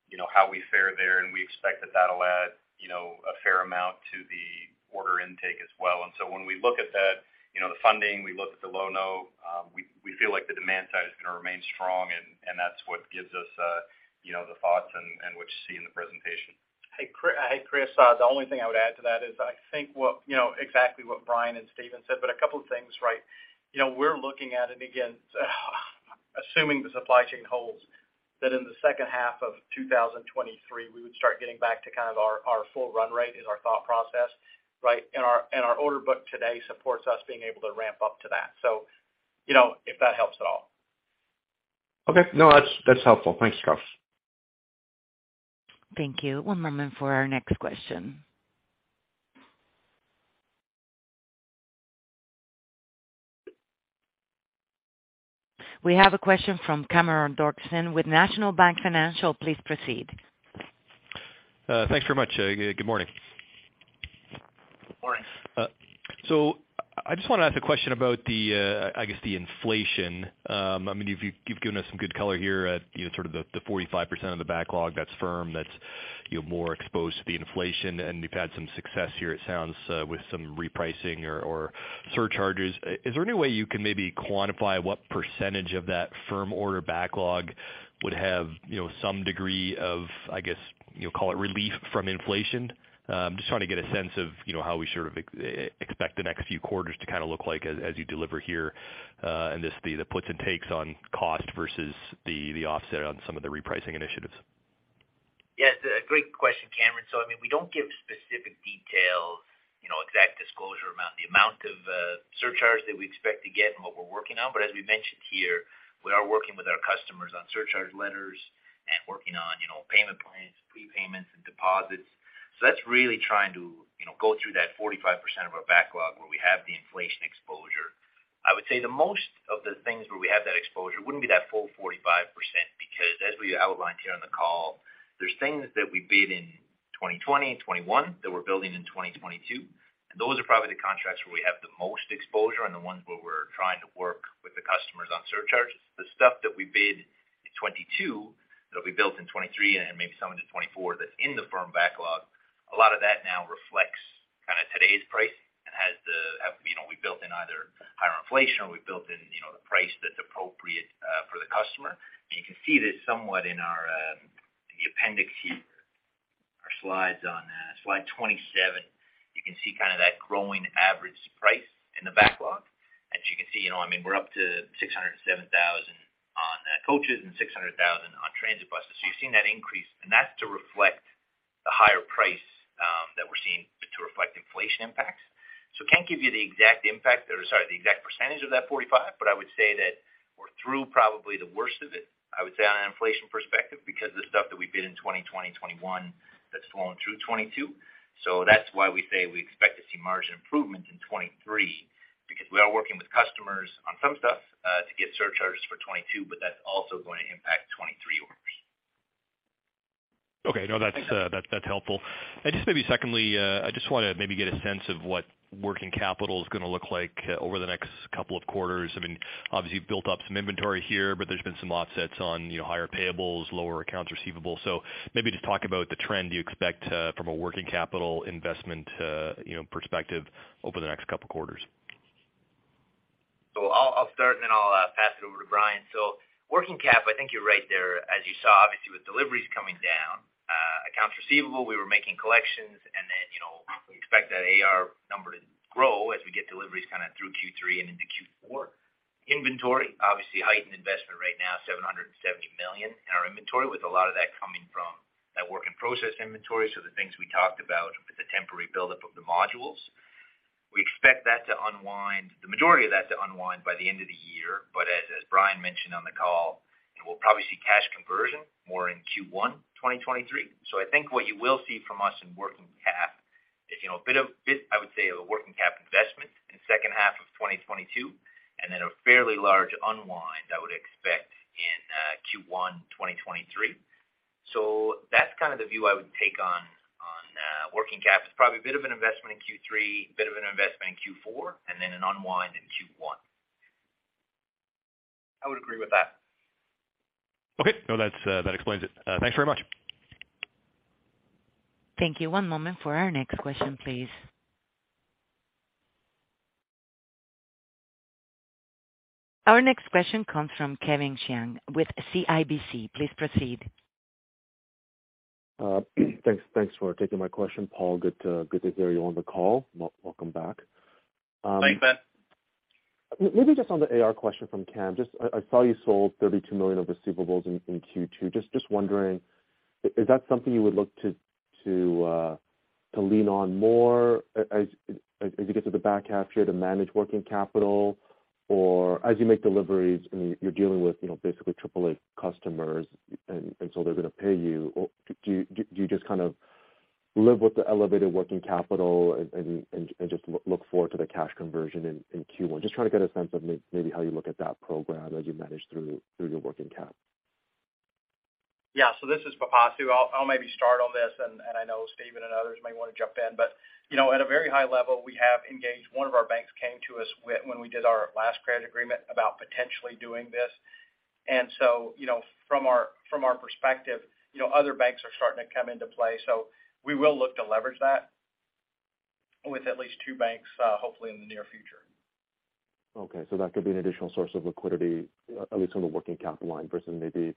S4: you know, how we fare there, and we expect that that'll add, you know, a fair amount to the order intake as well. When we look at that, you know, the funding, we look at the Low-No, we feel like the demand side is gonna remain strong and that's what gives us, you know, the thoughts and what you see in the presentation.
S5: Hey, Chris. The only thing I would add to that is I think what, you know, exactly what Brian and Stephen said, but a couple of things, right? You know, we're looking at it again, assuming the supply chain holds, that in the second half of 2023, we would start getting back to kind of our full run rate is our thought process, right? Our order book today supports us being able to ramp up to that. You know, if that helps at all.
S6: Okay. No, that's helpful. Thanks, guys.
S1: Thank you. One moment for our next question. We have a question from Cameron Doerksen with National Bank Financial. Please proceed.
S7: Thanks very much. Good morning.
S2: Morning.
S7: I just wanna ask a question about the, I guess, the inflation. I mean, you've given us some good color here at, you know, sort of the 45% of the backlog that's firm. You're more exposed to the inflation, and you've had some success here, it sounds, with some repricing or surcharges. Is there any way you can maybe quantify what percentage of that firm order backlog would have, you know, some degree of, I guess, you know, call it relief from inflation? Just trying to get a sense of, you know, how we should expect the next few quarters to kinda look like as you deliver here, and just the puts and takes on cost versus the offset on some of the repricing initiatives.
S2: Yes, a great question, Cameron. I mean, we don't give specific details, you know, exact disclosure amount, the amount of surcharge that we expect to get and what we're working on. As we mentioned here, we are working with our customers on surcharge letters and working on, you know, payment plans, prepayments, and deposits. That's really trying to, you know, go through that 45% of our backlog where we have the inflation exposure. I would say that most of the things where we have that exposure wouldn't be that full 45% because as we outlined here on the call, there's things that we bid in 2020-2021 that we're building in 2022, and those are probably the contracts where we have the most exposure and the ones where we're trying to work with the customers on surcharges. The stuff that we bid in 2022, that'll be built in 2023 and then maybe some into 2024 that's in the firm backlog. A lot of that now reflects kinda today's price and have, you know, we built in either higher inflation or we built in, you know, the price that's appropriate for the customer. You can see this somewhat in our appendix here, our slides on slide 27. You can see kinda that growing average price in the backlog. As you can see, you know, I mean, we're up to $607,000 on coaches and $600,000 on transit buses. So you've seen that increase, and that's to reflect the higher price that we're seeing to reflect inflation impacts. Can't give you the exact percentage of that 45, but I would say that we're through probably the worst of it, I would say on an inflation perspective, because of the stuff that we bid in 2020-2021 that's flowing through 2022. That's why we say we expect to see margin improvements in 2023 because we are working with customers on some stuff, to get surcharges for 2022, but that's also going to impact 2023 orders.
S7: Okay. No, that's helpful. Just maybe secondly, I just wanna maybe get a sense of what working capital is gonna look like over the next couple of quarters. I mean, obviously, you've built up some inventory here, but there's been some offsets on, you know, higher payables, lower accounts receivable. Maybe just talk about the trend you expect from a working capital investment, you know, perspective over the next couple quarters.
S2: I'll start, and then I'll pass it over to Brian. Working cap, I think you're right there. As you saw, obviously, with deliveries coming down, accounts receivable, we were making collections, and then, you know, we expect that AR number to grow as we get deliveries kinda through Q3 and into Q4. Inventory, obviously heightened investment right now, $770 million in our inventory, with a lot of that coming from that work in process inventory. The things we talked about with the temporary buildup of the modules. We expect that to unwind, the majority of that to unwind by the end of the year. As Brian mentioned on the call, and we'll probably see cash conversion more in Q1, 2023. I think what you will see from us in working cap is, you know, a bit, I would say, of a working cap investment in second half of 2022, and then a fairly large unwind I would expect in Q1 2023. That's kind of the view I would take on working cap. It's probably a bit of an investment in Q3, a bit of an investment in Q4, and then an unwind in Q1.
S5: I would agree with that.
S7: Okay. No, that's, that explains it. Thanks very much.
S1: Thank you. One moment for our next question, please. Our next question comes from Kevin Chiang with CIBC. Please proceed.
S8: Thanks for taking my question, Paul. Good to hear you on the call. Welcome back,
S3: Thanks, man.
S8: Maybe just on the AR question from Cam, I saw you sold $32 million of receivables in Q2. Just wondering, is that something you would look to lean on more as you get to the back half here to manage working capital or as you make deliveries and you're dealing with, you know, basically triple A customers and just look forward to the cash conversion in Q1? Just trying to get a sense of maybe how you look at that program as you manage through your working capital.
S5: Yeah. This is Pipasu. I'll maybe start on this and I know Stephen and others may wanna jump in. You know, at a very high level, we have engaged. One of our banks came to us when we did our last credit agreement about potentially doing this. You know, from our perspective, you know, other banks are starting to come into play. We will look to leverage that with at least two banks, hopefully in the near future.
S8: That could be an additional source of liquidity, at least on the working capital line versus maybe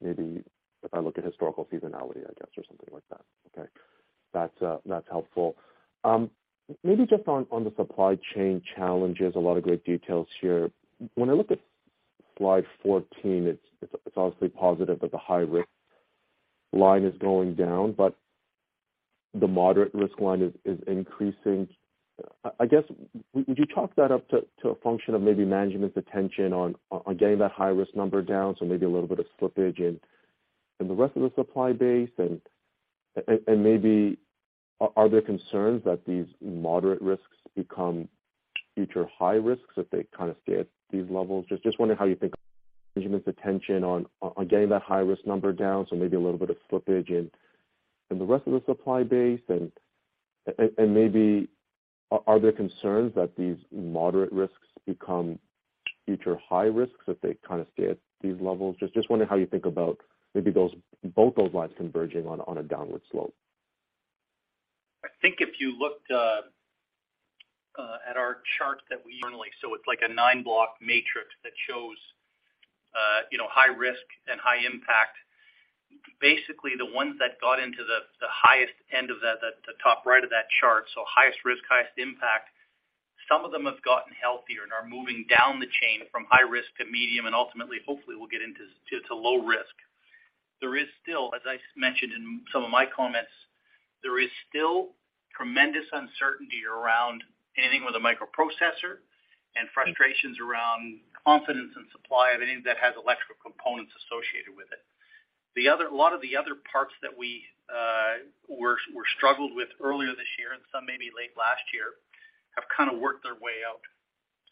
S8: if I look at historical seasonality, I guess, or something like that. That's helpful. Maybe just on the supply chain challenges, a lot of great details here. When I look at slide 14, it's obviously positive that the high-risk line is going down, but the moderate risk line is increasing. I guess would you chalk that up to a function of maybe management's attention on getting that high-risk number down, so maybe a little bit of slippage in the rest of the supply base? Maybe are there concerns that these moderate risks become future high risks if they kinda stay at these levels? Just wondering how you think management's attention on getting that high-risk number down, so maybe a little bit of slippage in the rest of the supply base, and maybe are there concerns that these moderate risks become future high risks if they kind of stay at these levels? Just wondering how you think about maybe both those lines converging on a downward slope.
S3: I think if you looked at our chart. It's like a nine-block matrix that shows, you know, high risk and high impact. Basically, the ones that got into the highest end of that, the top right of that chart, so highest risk, highest impact, some of them have gotten healthier and are moving down the chain from high risk to medium, and ultimately, hopefully, will get to low risk. There is still, as I mentioned in some of my comments, tremendous uncertainty around anything with a microprocessor and frustrations around confidence in supply of anything that has electrical components associated with it. A lot of the other parts that we were struggled with earlier this year and some maybe late last year have kind of worked their way out.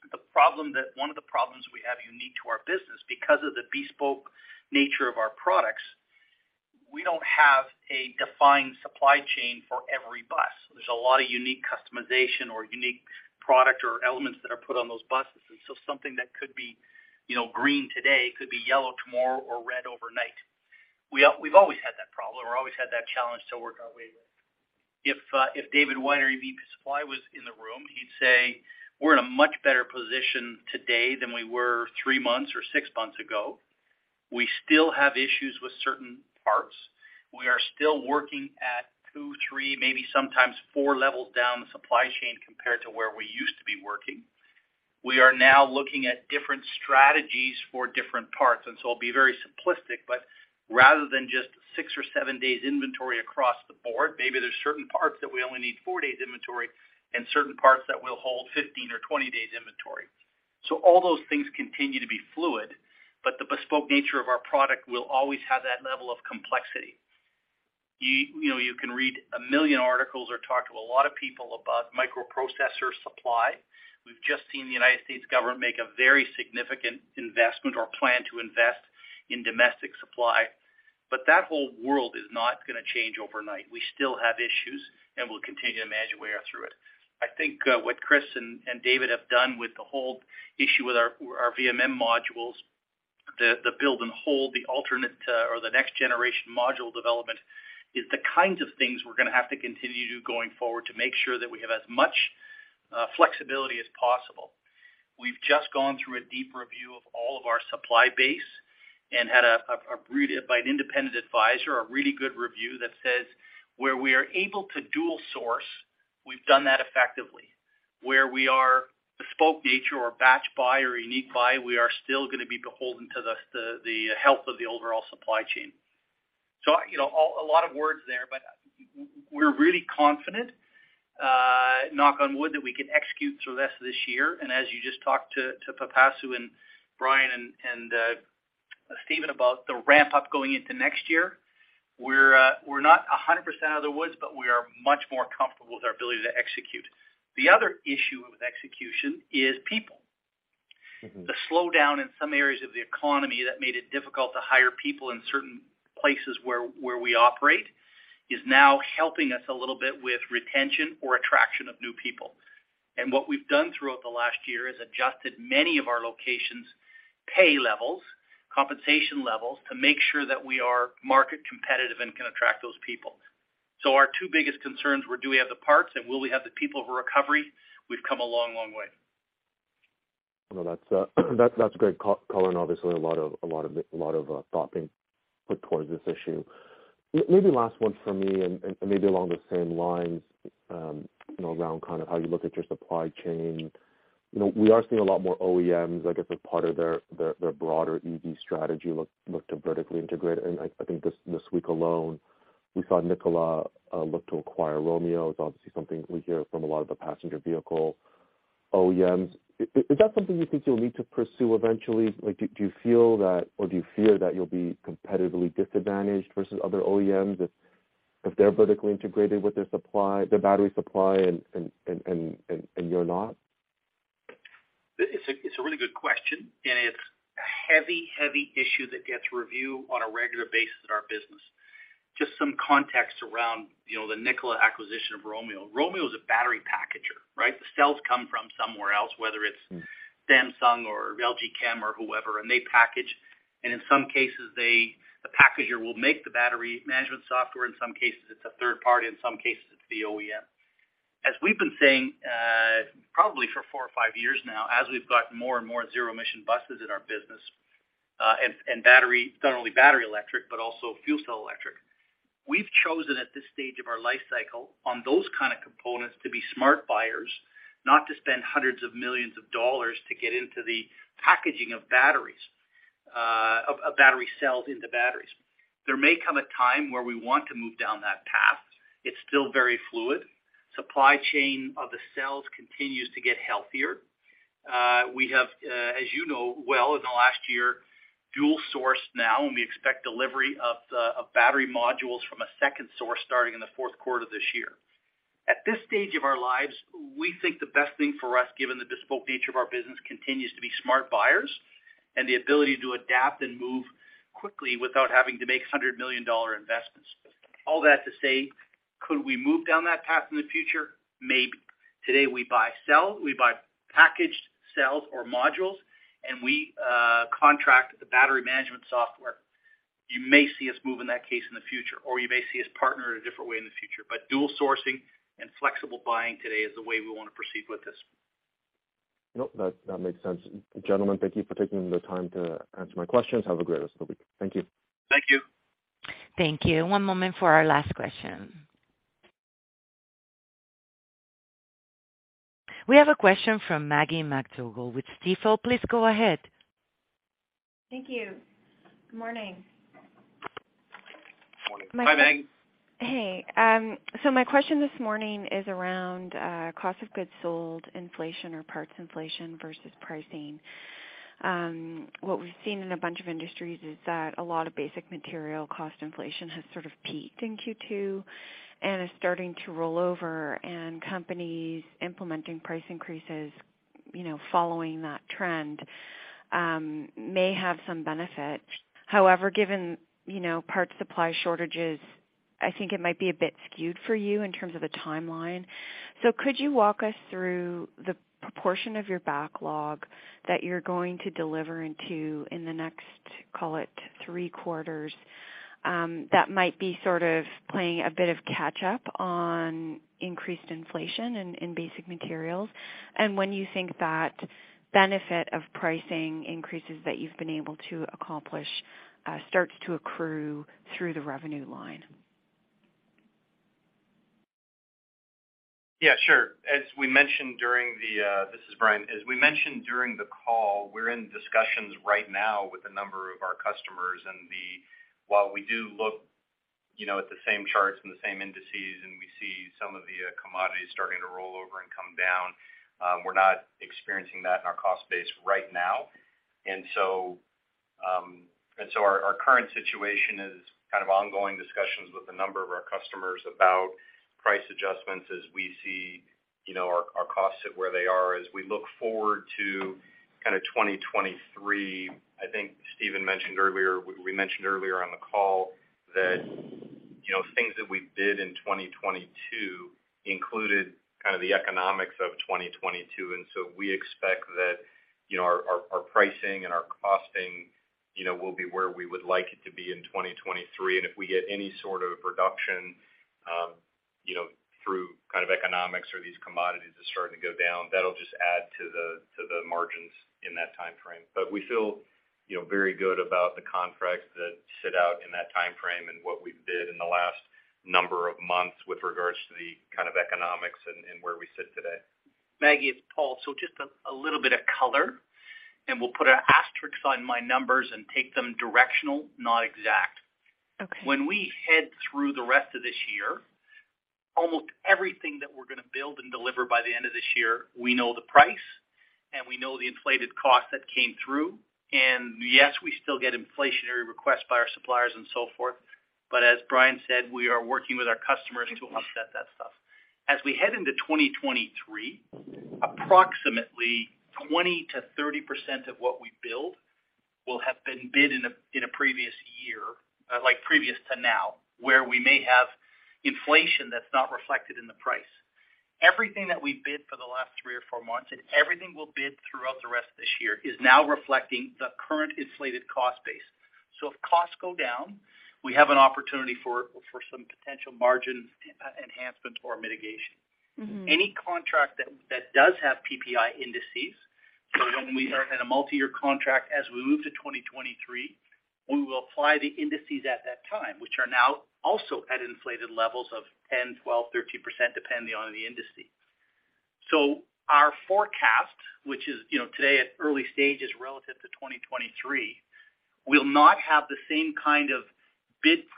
S3: One of the problems we have unique to our business, because of the bespoke nature of our products, we don't have a defined supply chain for every bus. There's a lot of unique customization or unique product or elements that are put on those buses. Something that could be, you know, green today could be yellow tomorrow or red overnight. We've always had that problem or always had that challenge to work our way with. If David White, our EVP of Supply, was in the room, he'd say we're in a much better position today than we were three months or six months ago. We still have issues with certain parts. We are still working at two, three, maybe sometimes four levels down the supply chain compared to where we used to be working. We are now looking at different strategies for different parts, and so I'll be very simplistic, but rather than just six or seven days inventory across the board, maybe there's certain parts that we only need four days inventory and certain parts that will hold 15 or 20 days inventory. All those things continue to be fluid, but the bespoke nature of our product will always have that level of complexity. You know, you can read a million articles or talk to a lot of people about microprocessor supply. We've just seen the United States government make a very significant investment or plan to invest in domestic supply. That whole world is not gonna change overnight. We still have issues, and we'll continue to manage our way through it. I think what Chris and David have done with the whole issue with our VCM modules, the build and hold, the alternate or the next generation module development, is the kinds of things we're gonna have to continue to do going forward to make sure that we have as much flexibility as possible. We've just gone through a deep review of all of our supply base and had a review by an independent advisor, a really good review that says, where we are able to dual source, we've done that effectively. Where we are bespoke nature or batch buy or unique buy, we are still gonna be beholden to the health of the overall supply chain. You know, a lot of words there, but we're really confident, knock on wood, that we can execute through the rest of this year. As you just talked to Pipasu and Brian and Stephen about the ramp up going into next year, we're not 100% out of the woods, but we are much more comfortable with our ability to execute. The other issue with execution is people.
S8: Mm-hmm.
S3: The slowdown in some areas of the economy that made it difficult to hire people in certain places where we operate is now helping us a little bit with retention or attraction of new people. What we've done throughout the last year is adjusted many of our locations' pay levels, compensation levels, to make sure that we are market competitive and can attract those people. Our two biggest concerns were do we have the parts and will we have the people for recovery? We've come a long, long way.
S8: That's great color and obviously a lot of thought being put towards this issue. Maybe last one from me and maybe along the same lines, you know, around kind of how you look at your supply chain. You know, we are seeing a lot more OEMs, I guess, as part of their broader EV strategy look to vertically integrate. I think this week alone, we saw Nikola look to acquire Romeo Power. It's obviously something we hear from a lot of the passenger vehicle OEMs. Is that something you think you'll need to pursue eventually? Like, do you feel that or do you fear that you'll be competitively disadvantaged versus other OEMs if they're vertically integrated with their supply, their battery supply and you're not?
S3: It's a really good question, and it's a heavy issue that gets reviewed on a regular basis in our business. Just some context around, you know, the Nikola acquisition of Romeo. Romeo is a battery packager, right? The cells come from somewhere else, whether it's
S8: Mm.
S3: Samsung or LG Chem or whoever, and they package. In some cases, they, the packager will make the battery management software. In some cases, it's a third party. In some cases, it's the OEM. As we've been saying, probably for four or five years now, as we've got more and more zero-emission buses in our business, and battery, not only battery electric, but also fuel cell electric, we've chosen at this stage of our life cycle on those kind of components to be smart buyers, not to spend $hundreds of millions to get into the packaging of batteries, of battery cells into batteries. There may come a time where we want to move down that path. It's still very fluid. Supply chain of the cells continues to get healthier. We have, as you know well in the last year, dual-sourced now, and we expect delivery of the battery modules from a second source starting in the fourth quarter this year. At this stage of our lives, we think the best thing for us, given the bespoke nature of our business, continues to be smart buying and the ability to adapt and move quickly without having to make $100 million investments. All that to say, could we move down that path in the future? Maybe. Today, we buy cells, we buy packaged cells or modules, and we contract the battery management software. You may see us move in that case in the future, or you may see us partner in a different way in the future. Dual sourcing and flexible buying today is the way we wanna proceed with this.
S8: Nope. That makes sense. Gentlemen, thank you for taking the time to answer my questions. Have a great rest of the week. Thank you.
S3: Thank you.
S1: Thank you. One moment for our last question. We have a question from Maggie MacDougall with Stifel. Please go ahead.
S9: Thank you. Good morning.
S3: Morning.
S4: Hi, Maggie.
S9: Hey. My question this morning is around cost of goods sold, inflation or parts inflation versus pricing. What we've seen in a bunch of industries is that a lot of basic material cost inflation has sort of peaked in Q2 and is starting to roll over, and companies implementing price increases, you know, following that trend, may have some benefit. However, given, you know, parts supply shortages, I think it might be a bit skewed for you in terms of the timeline. Could you walk us through the proportion of your backlog that you're going to deliver into in the next, call it, three quarters, that might be sort of playing a bit of catch up on increased inflation in basic materials, and when you think that benefit of pricing increases that you've been able to accomplish starts to accrue through the revenue line?
S4: Yeah, sure. This is Brian. As we mentioned during the call, we're in discussions right now with a number of our customers while we do look, you know, at the same charts and the same indices, and we see some of the commodities starting to roll over and come down. We're not experiencing that in our cost base right now. Our current situation is kind of ongoing discussions with a number of our customers about price adjustments as we see, you know, our costs at where they are. As we look forward to kinda 2023, I think Stephen mentioned earlier, we mentioned earlier on the call that, you know, things that we bid in 2022 included kinda the economics of 2022, and so we expect that, you know, our pricing and our costing, you know, will be where we would like it to be in 2023. If we get any sort of reduction, you know, through kind of economics or these commodities that's starting to go down, that'll just add to the margins in that timeframe. We feel, you know, very good about the contracts that sit out in that timeframe and what we've bid in the last number of months with regards to the kind of economics and where we sit today.
S3: Maggie, it's Paul. Just a little bit of color, and we'll put an asterisk on my numbers and take them directional, not exact.
S9: Okay.
S3: When we head through the rest of this year, almost everything that we're gonna build and deliver by the end of this year, we know the price, and we know the inflated cost that came through. Yes, we still get inflationary requests by our suppliers and so forth, but as Brian said, we are working with our customers to offset that stuff. As we head into 2023, approximately 20%-30% of what we build will have been bid in a previous year, like previous to now, where we may have inflation that's not reflected in the price. Everything that we bid for the last 3 or 4 months and everything we'll bid throughout the rest of this year is now reflecting the current inflated cost base. If costs go down, we have an opportunity for some potential margin enhancement or mitigation.
S9: Mm-hmm.
S3: Any contract that does have PPI indices, so when we are in a multi-year contract, as we move to 2023, we will apply the indices at that time, which are now also at inflated levels of 10%, 12%, 13%, depending on the industry. Our forecast, which is, you know, today at early stages relative to 2023, will not have the same kind of built-in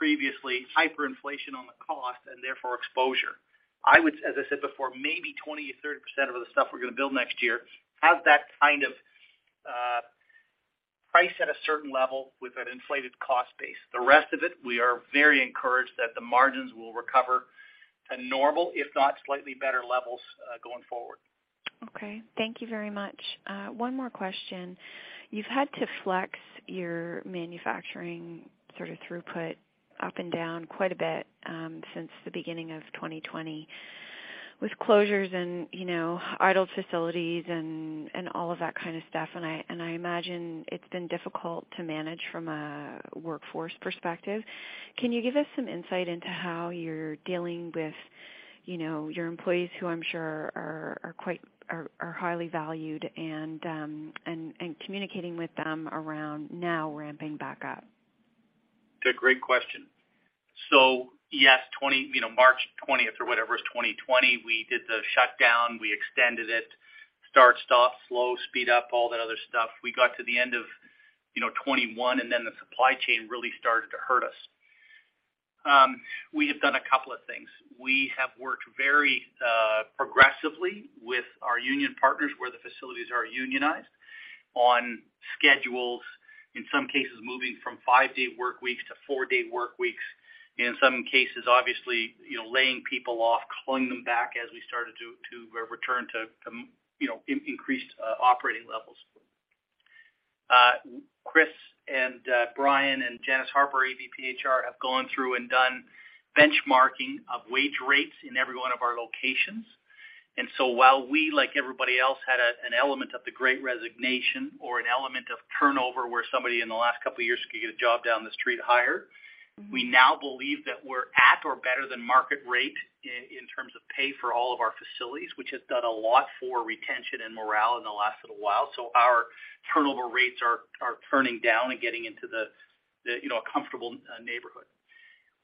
S3: hyperinflation on the cost and therefore exposure. I would, as I said before, maybe 20% or 30% of the stuff we're gonna build next year has that kind of price at a certain level with an inflated cost base. The rest of it, we are very encouraged that the margins will recover to normal, if not slightly better levels, going forward.
S9: Okay. Thank you very much. One more question. You've had to flex your manufacturing sort of throughput up and down quite a bit, since the beginning of 2020 with closures and, you know, idle facilities and all of that kind of stuff, and I imagine it's been difficult to manage from a workforce perspective. Can you give us some insight into how you're dealing with, you know, your employees who I'm sure are quite highly valued and communicating with them around now ramping back up?
S3: It's a great question. Yes, 20, you know, March 20 or whatever in 2020, we did the shutdown, we extended it, start, stop, slow, speed up, all that other stuff. We got to the end of, you know, 2021, and then the supply chain really started to hurt us. We have done a couple of things. We have worked very progressively with our union partners, where the facilities are unionized, on schedules. In some cases, moving from five-day work weeks to four-day work weeks. In some cases, obviously, you know, laying people off, calling them back as we started to return to, you know, increased operating levels. Chris and Brian and Janice Harper, VP HR, have gone through and done benchmarking of wage rates in every one of our locations. While we, like everybody else, had an element of the great resignation or an element of turnover where somebody in the last couple of years could get a job down the street higher, we now believe that we're at or better than market rate in terms of pay for all of our facilities, which has done a lot for retention and morale in the last little while. Our turnover rates are turning down and getting into the, you know, comfortable neighborhood.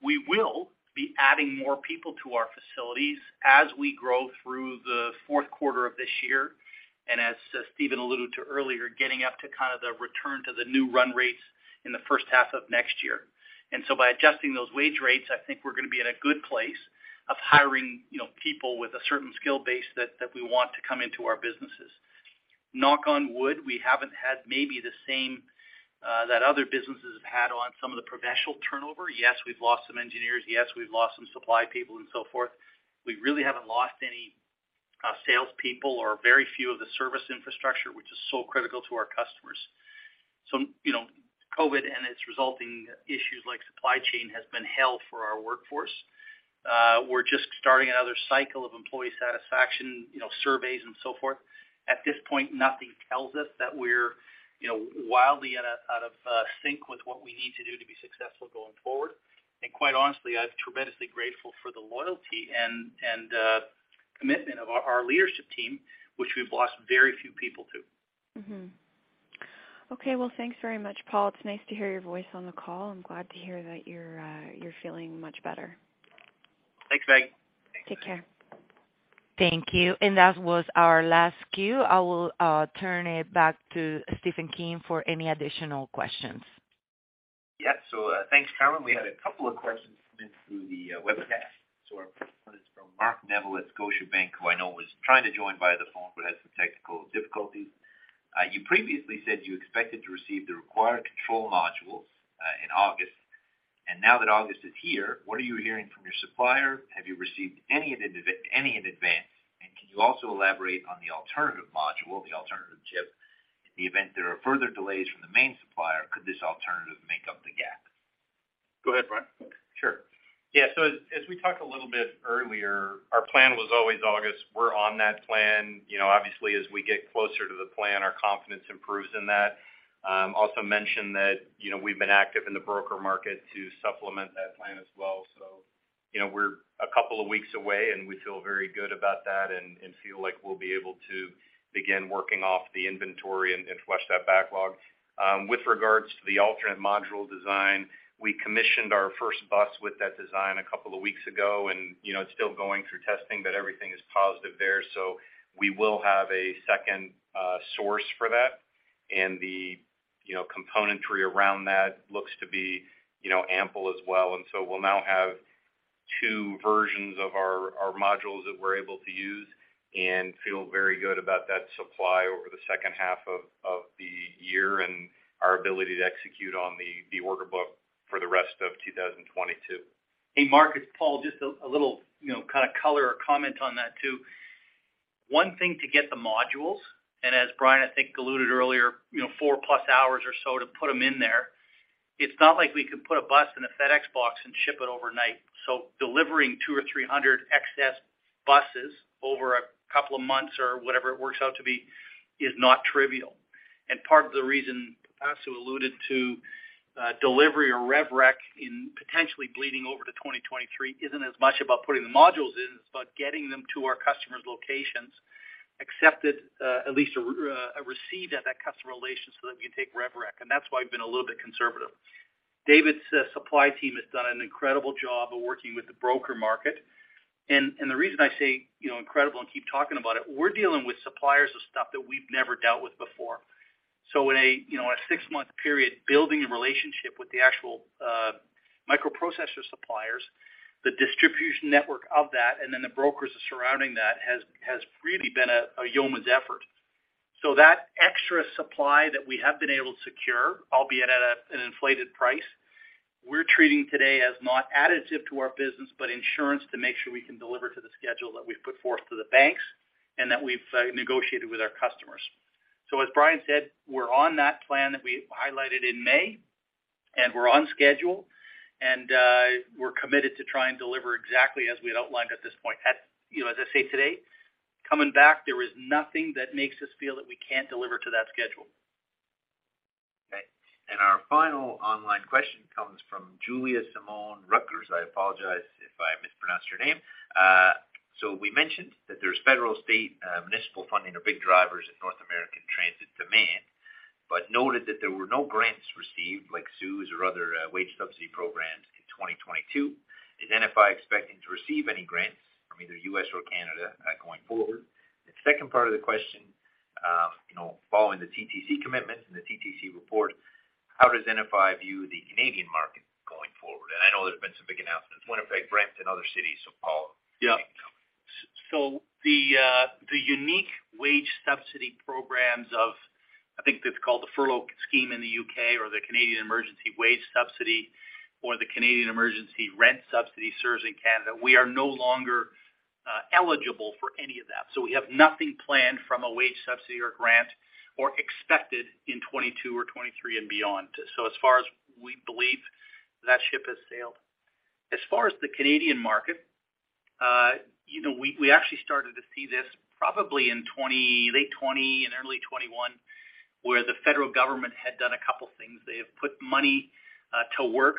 S3: We will be adding more people to our facilities as we grow through the fourth quarter of this year. As Stephen alluded to earlier, getting up to kind of the return to the new run rates in the first half of next year. By adjusting those wage rates, I think we're gonna be in a good place of hiring, you know, people with a certain skill base that we want to come into our businesses. Knock on wood, we haven't had maybe the same that other businesses have had on some of the professional turnover. Yes, we've lost some engineers. Yes, we've lost some supply people and so forth. We really haven't lost any salespeople or very few of the service infrastructure, which is so critical to our customers. You know, COVID and its resulting issues like supply chain has been hell for our workforce. We're just starting another cycle of employee satisfaction, you know, surveys and so forth. At this point, nothing tells us that we're, you know, wildly out of sync with what we need to do to be successful going forward. Quite honestly, I'm tremendously grateful for the loyalty and commitment of our leadership team, which we've lost very few people to.
S9: Okay. Well, thanks very much, Paul. It's nice to hear your voice on the call. I'm glad to hear that you're feeling much better.
S3: Thanks, Maggie.
S9: Take care.
S1: Thank you. That was our last queue. I will turn it back to Stephen King for any additional questions.
S2: Yeah. Thanks, Carmen. We had a couple of questions come in through the webcast. Our first one is from Mark Neville at Scotiabank, who I know was trying to join via the phone but had some technical difficulties. You previously said you expected to receive the required control modules in August. Now that August is here, what are you hearing from your supplier? Have you received any in advance? Can you also elaborate on the alternative module, the alternative chip? In the event there are further delays from the main supplier, could this alternative make up the gap?
S3: Go ahead, Brian.
S4: Sure. Yeah. As we talked a little bit earlier, our plan was always August. We're on that plan. You know, obviously, as we get closer to the plan, our confidence improves in that. Also mentioned that, you know, we've been active in the broker market to supplement that plan as well. You know, we're a couple of weeks away, and we feel very good about that and feel like we'll be able to begin working off the inventory and flush that backlog. With regards to the alternate module design, we commissioned our first bus with that design a couple of weeks ago and, you know, it's still going through testing, but everything is positive there. We will have a second source for that. The, you know, componentry around that looks to be, you know, ample as well. We'll now have two versions of our modules that we're able to use and feel very good about that supply over the second half of the year and our ability to execute on the order book for the rest of 2022.
S3: Hey, Mark, it's Paul. Just a little, you know, kinda color or comment on that too. One thing to get the modules, and as Brian, I think, alluded earlier, you know, four-plus hours or so to put them in there. It's not like we could put a bus in a FedEx box and ship it overnight. Delivering 200 or 300 excess buses over a couple of months or whatever it works out to be is not trivial. Part of the reason, also alluded to, delivery or rev rec in potentially bleeding over to 2023 isn't as much about putting the modules in, it's about getting them to our customers' locations, accepted, at least, received at that customer location so that we can take rev rec. That's why we've been a little bit conservative. David's supply team has done an incredible job of working with the broker market. The reason I say, you know, incredible and keep talking about it, we're dealing with suppliers of stuff that we've never dealt with before. In a six-month period, building a relationship with the actual microprocessor suppliers, the distribution network of that, and then the brokers surrounding that has really been a yeoman's effort. That extra supply that we have been able to secure, albeit at an inflated price, we're treating today as not additive to our business, but insurance to make sure we can deliver to the schedule that we've put forth to the banks and that we've negotiated with our customers. As Brian said, we're on that plan that we highlighted in May, and we're on schedule, and we're committed to try and deliver exactly as we had outlined at this point. You know, as I say today, coming back, there is nothing that makes us feel that we can't deliver to that schedule.
S2: Okay. Our final online question comes from Julia-Simone Rutgers. I apologize if I mispronounced your name. We mentioned that there's federal, state, municipal funding are big drivers in North American transit demand, but noted that there were no grants received, like CEWS or other, wage subsidy programs in 2022. Is NFI expecting to receive any grants from either U.S. or Canada, going forward? The second part of the question, you know, following the TTC commitments and the TTC report, how does NFI view the Canadian market? I know there's been some big announcements, Winnipeg, Brampton, other cities, so Paul.
S3: Yeah. So the unique wage subsidy programs, I think that's called the Furlough Scheme in the U.K. or the Canada Emergency Wage Subsidy or the Canada Emergency Rent Subsidy (CERS) in Canada. We are no longer eligible for any of that. We have nothing planned from a wage subsidy or grant or expected in 2022 or 2023 and beyond. As far as we believe, that ship has sailed. As far as the Canadian market, you know, we actually started to see this probably in late 2020 and early 2021, where the federal government had done a couple things. They have put money to work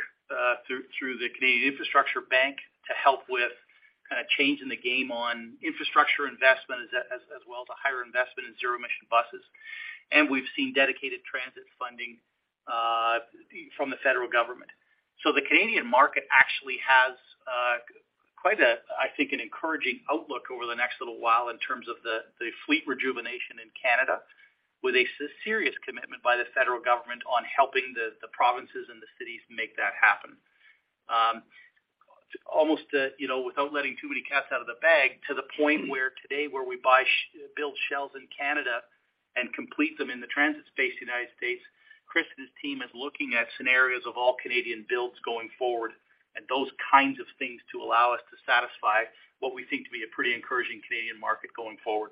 S3: through the Canadian Infrastructure Bank to help with kinda changing the game on infrastructure investment as well to higher investment in zero emission buses. We've seen dedicated transit funding from the federal government. The Canadian market actually has quite a, I think, an encouraging outlook over the next little while in terms of the fleet rejuvenation in Canada, with a serious commitment by the federal government on helping the provinces and the cities make that happen. Almost, you know, without letting too many cats out of the bag, to the point where today where we build shells in Canada and complete them in the transit space in the United States, Chris and his team is looking at scenarios of all Canadian builds going forward and those kinds of things to allow us to satisfy what we think to be a pretty encouraging Canadian market going forward.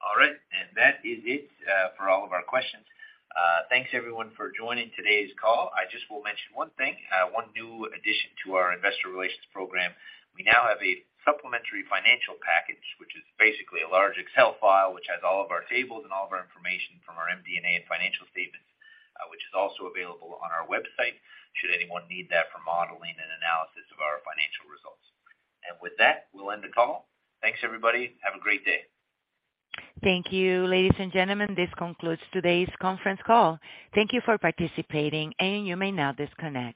S2: All right. That is it for all of our questions. Thanks everyone for joining today's call. I just will mention one thing, one new addition to our investor relations program. We now have a supplementary financial package, which is basically a large Excel file which has all of our tables and all of our information from our MD&A and financial statements, which is also available on our website, should anyone need that for modeling and analysis of our financial results. With that, we'll end the call. Thanks, everybody. Have a great day.
S1: Thank you. Ladies and gentlemen, this concludes today's conference call. Thank you for participating, and you may now disconnect.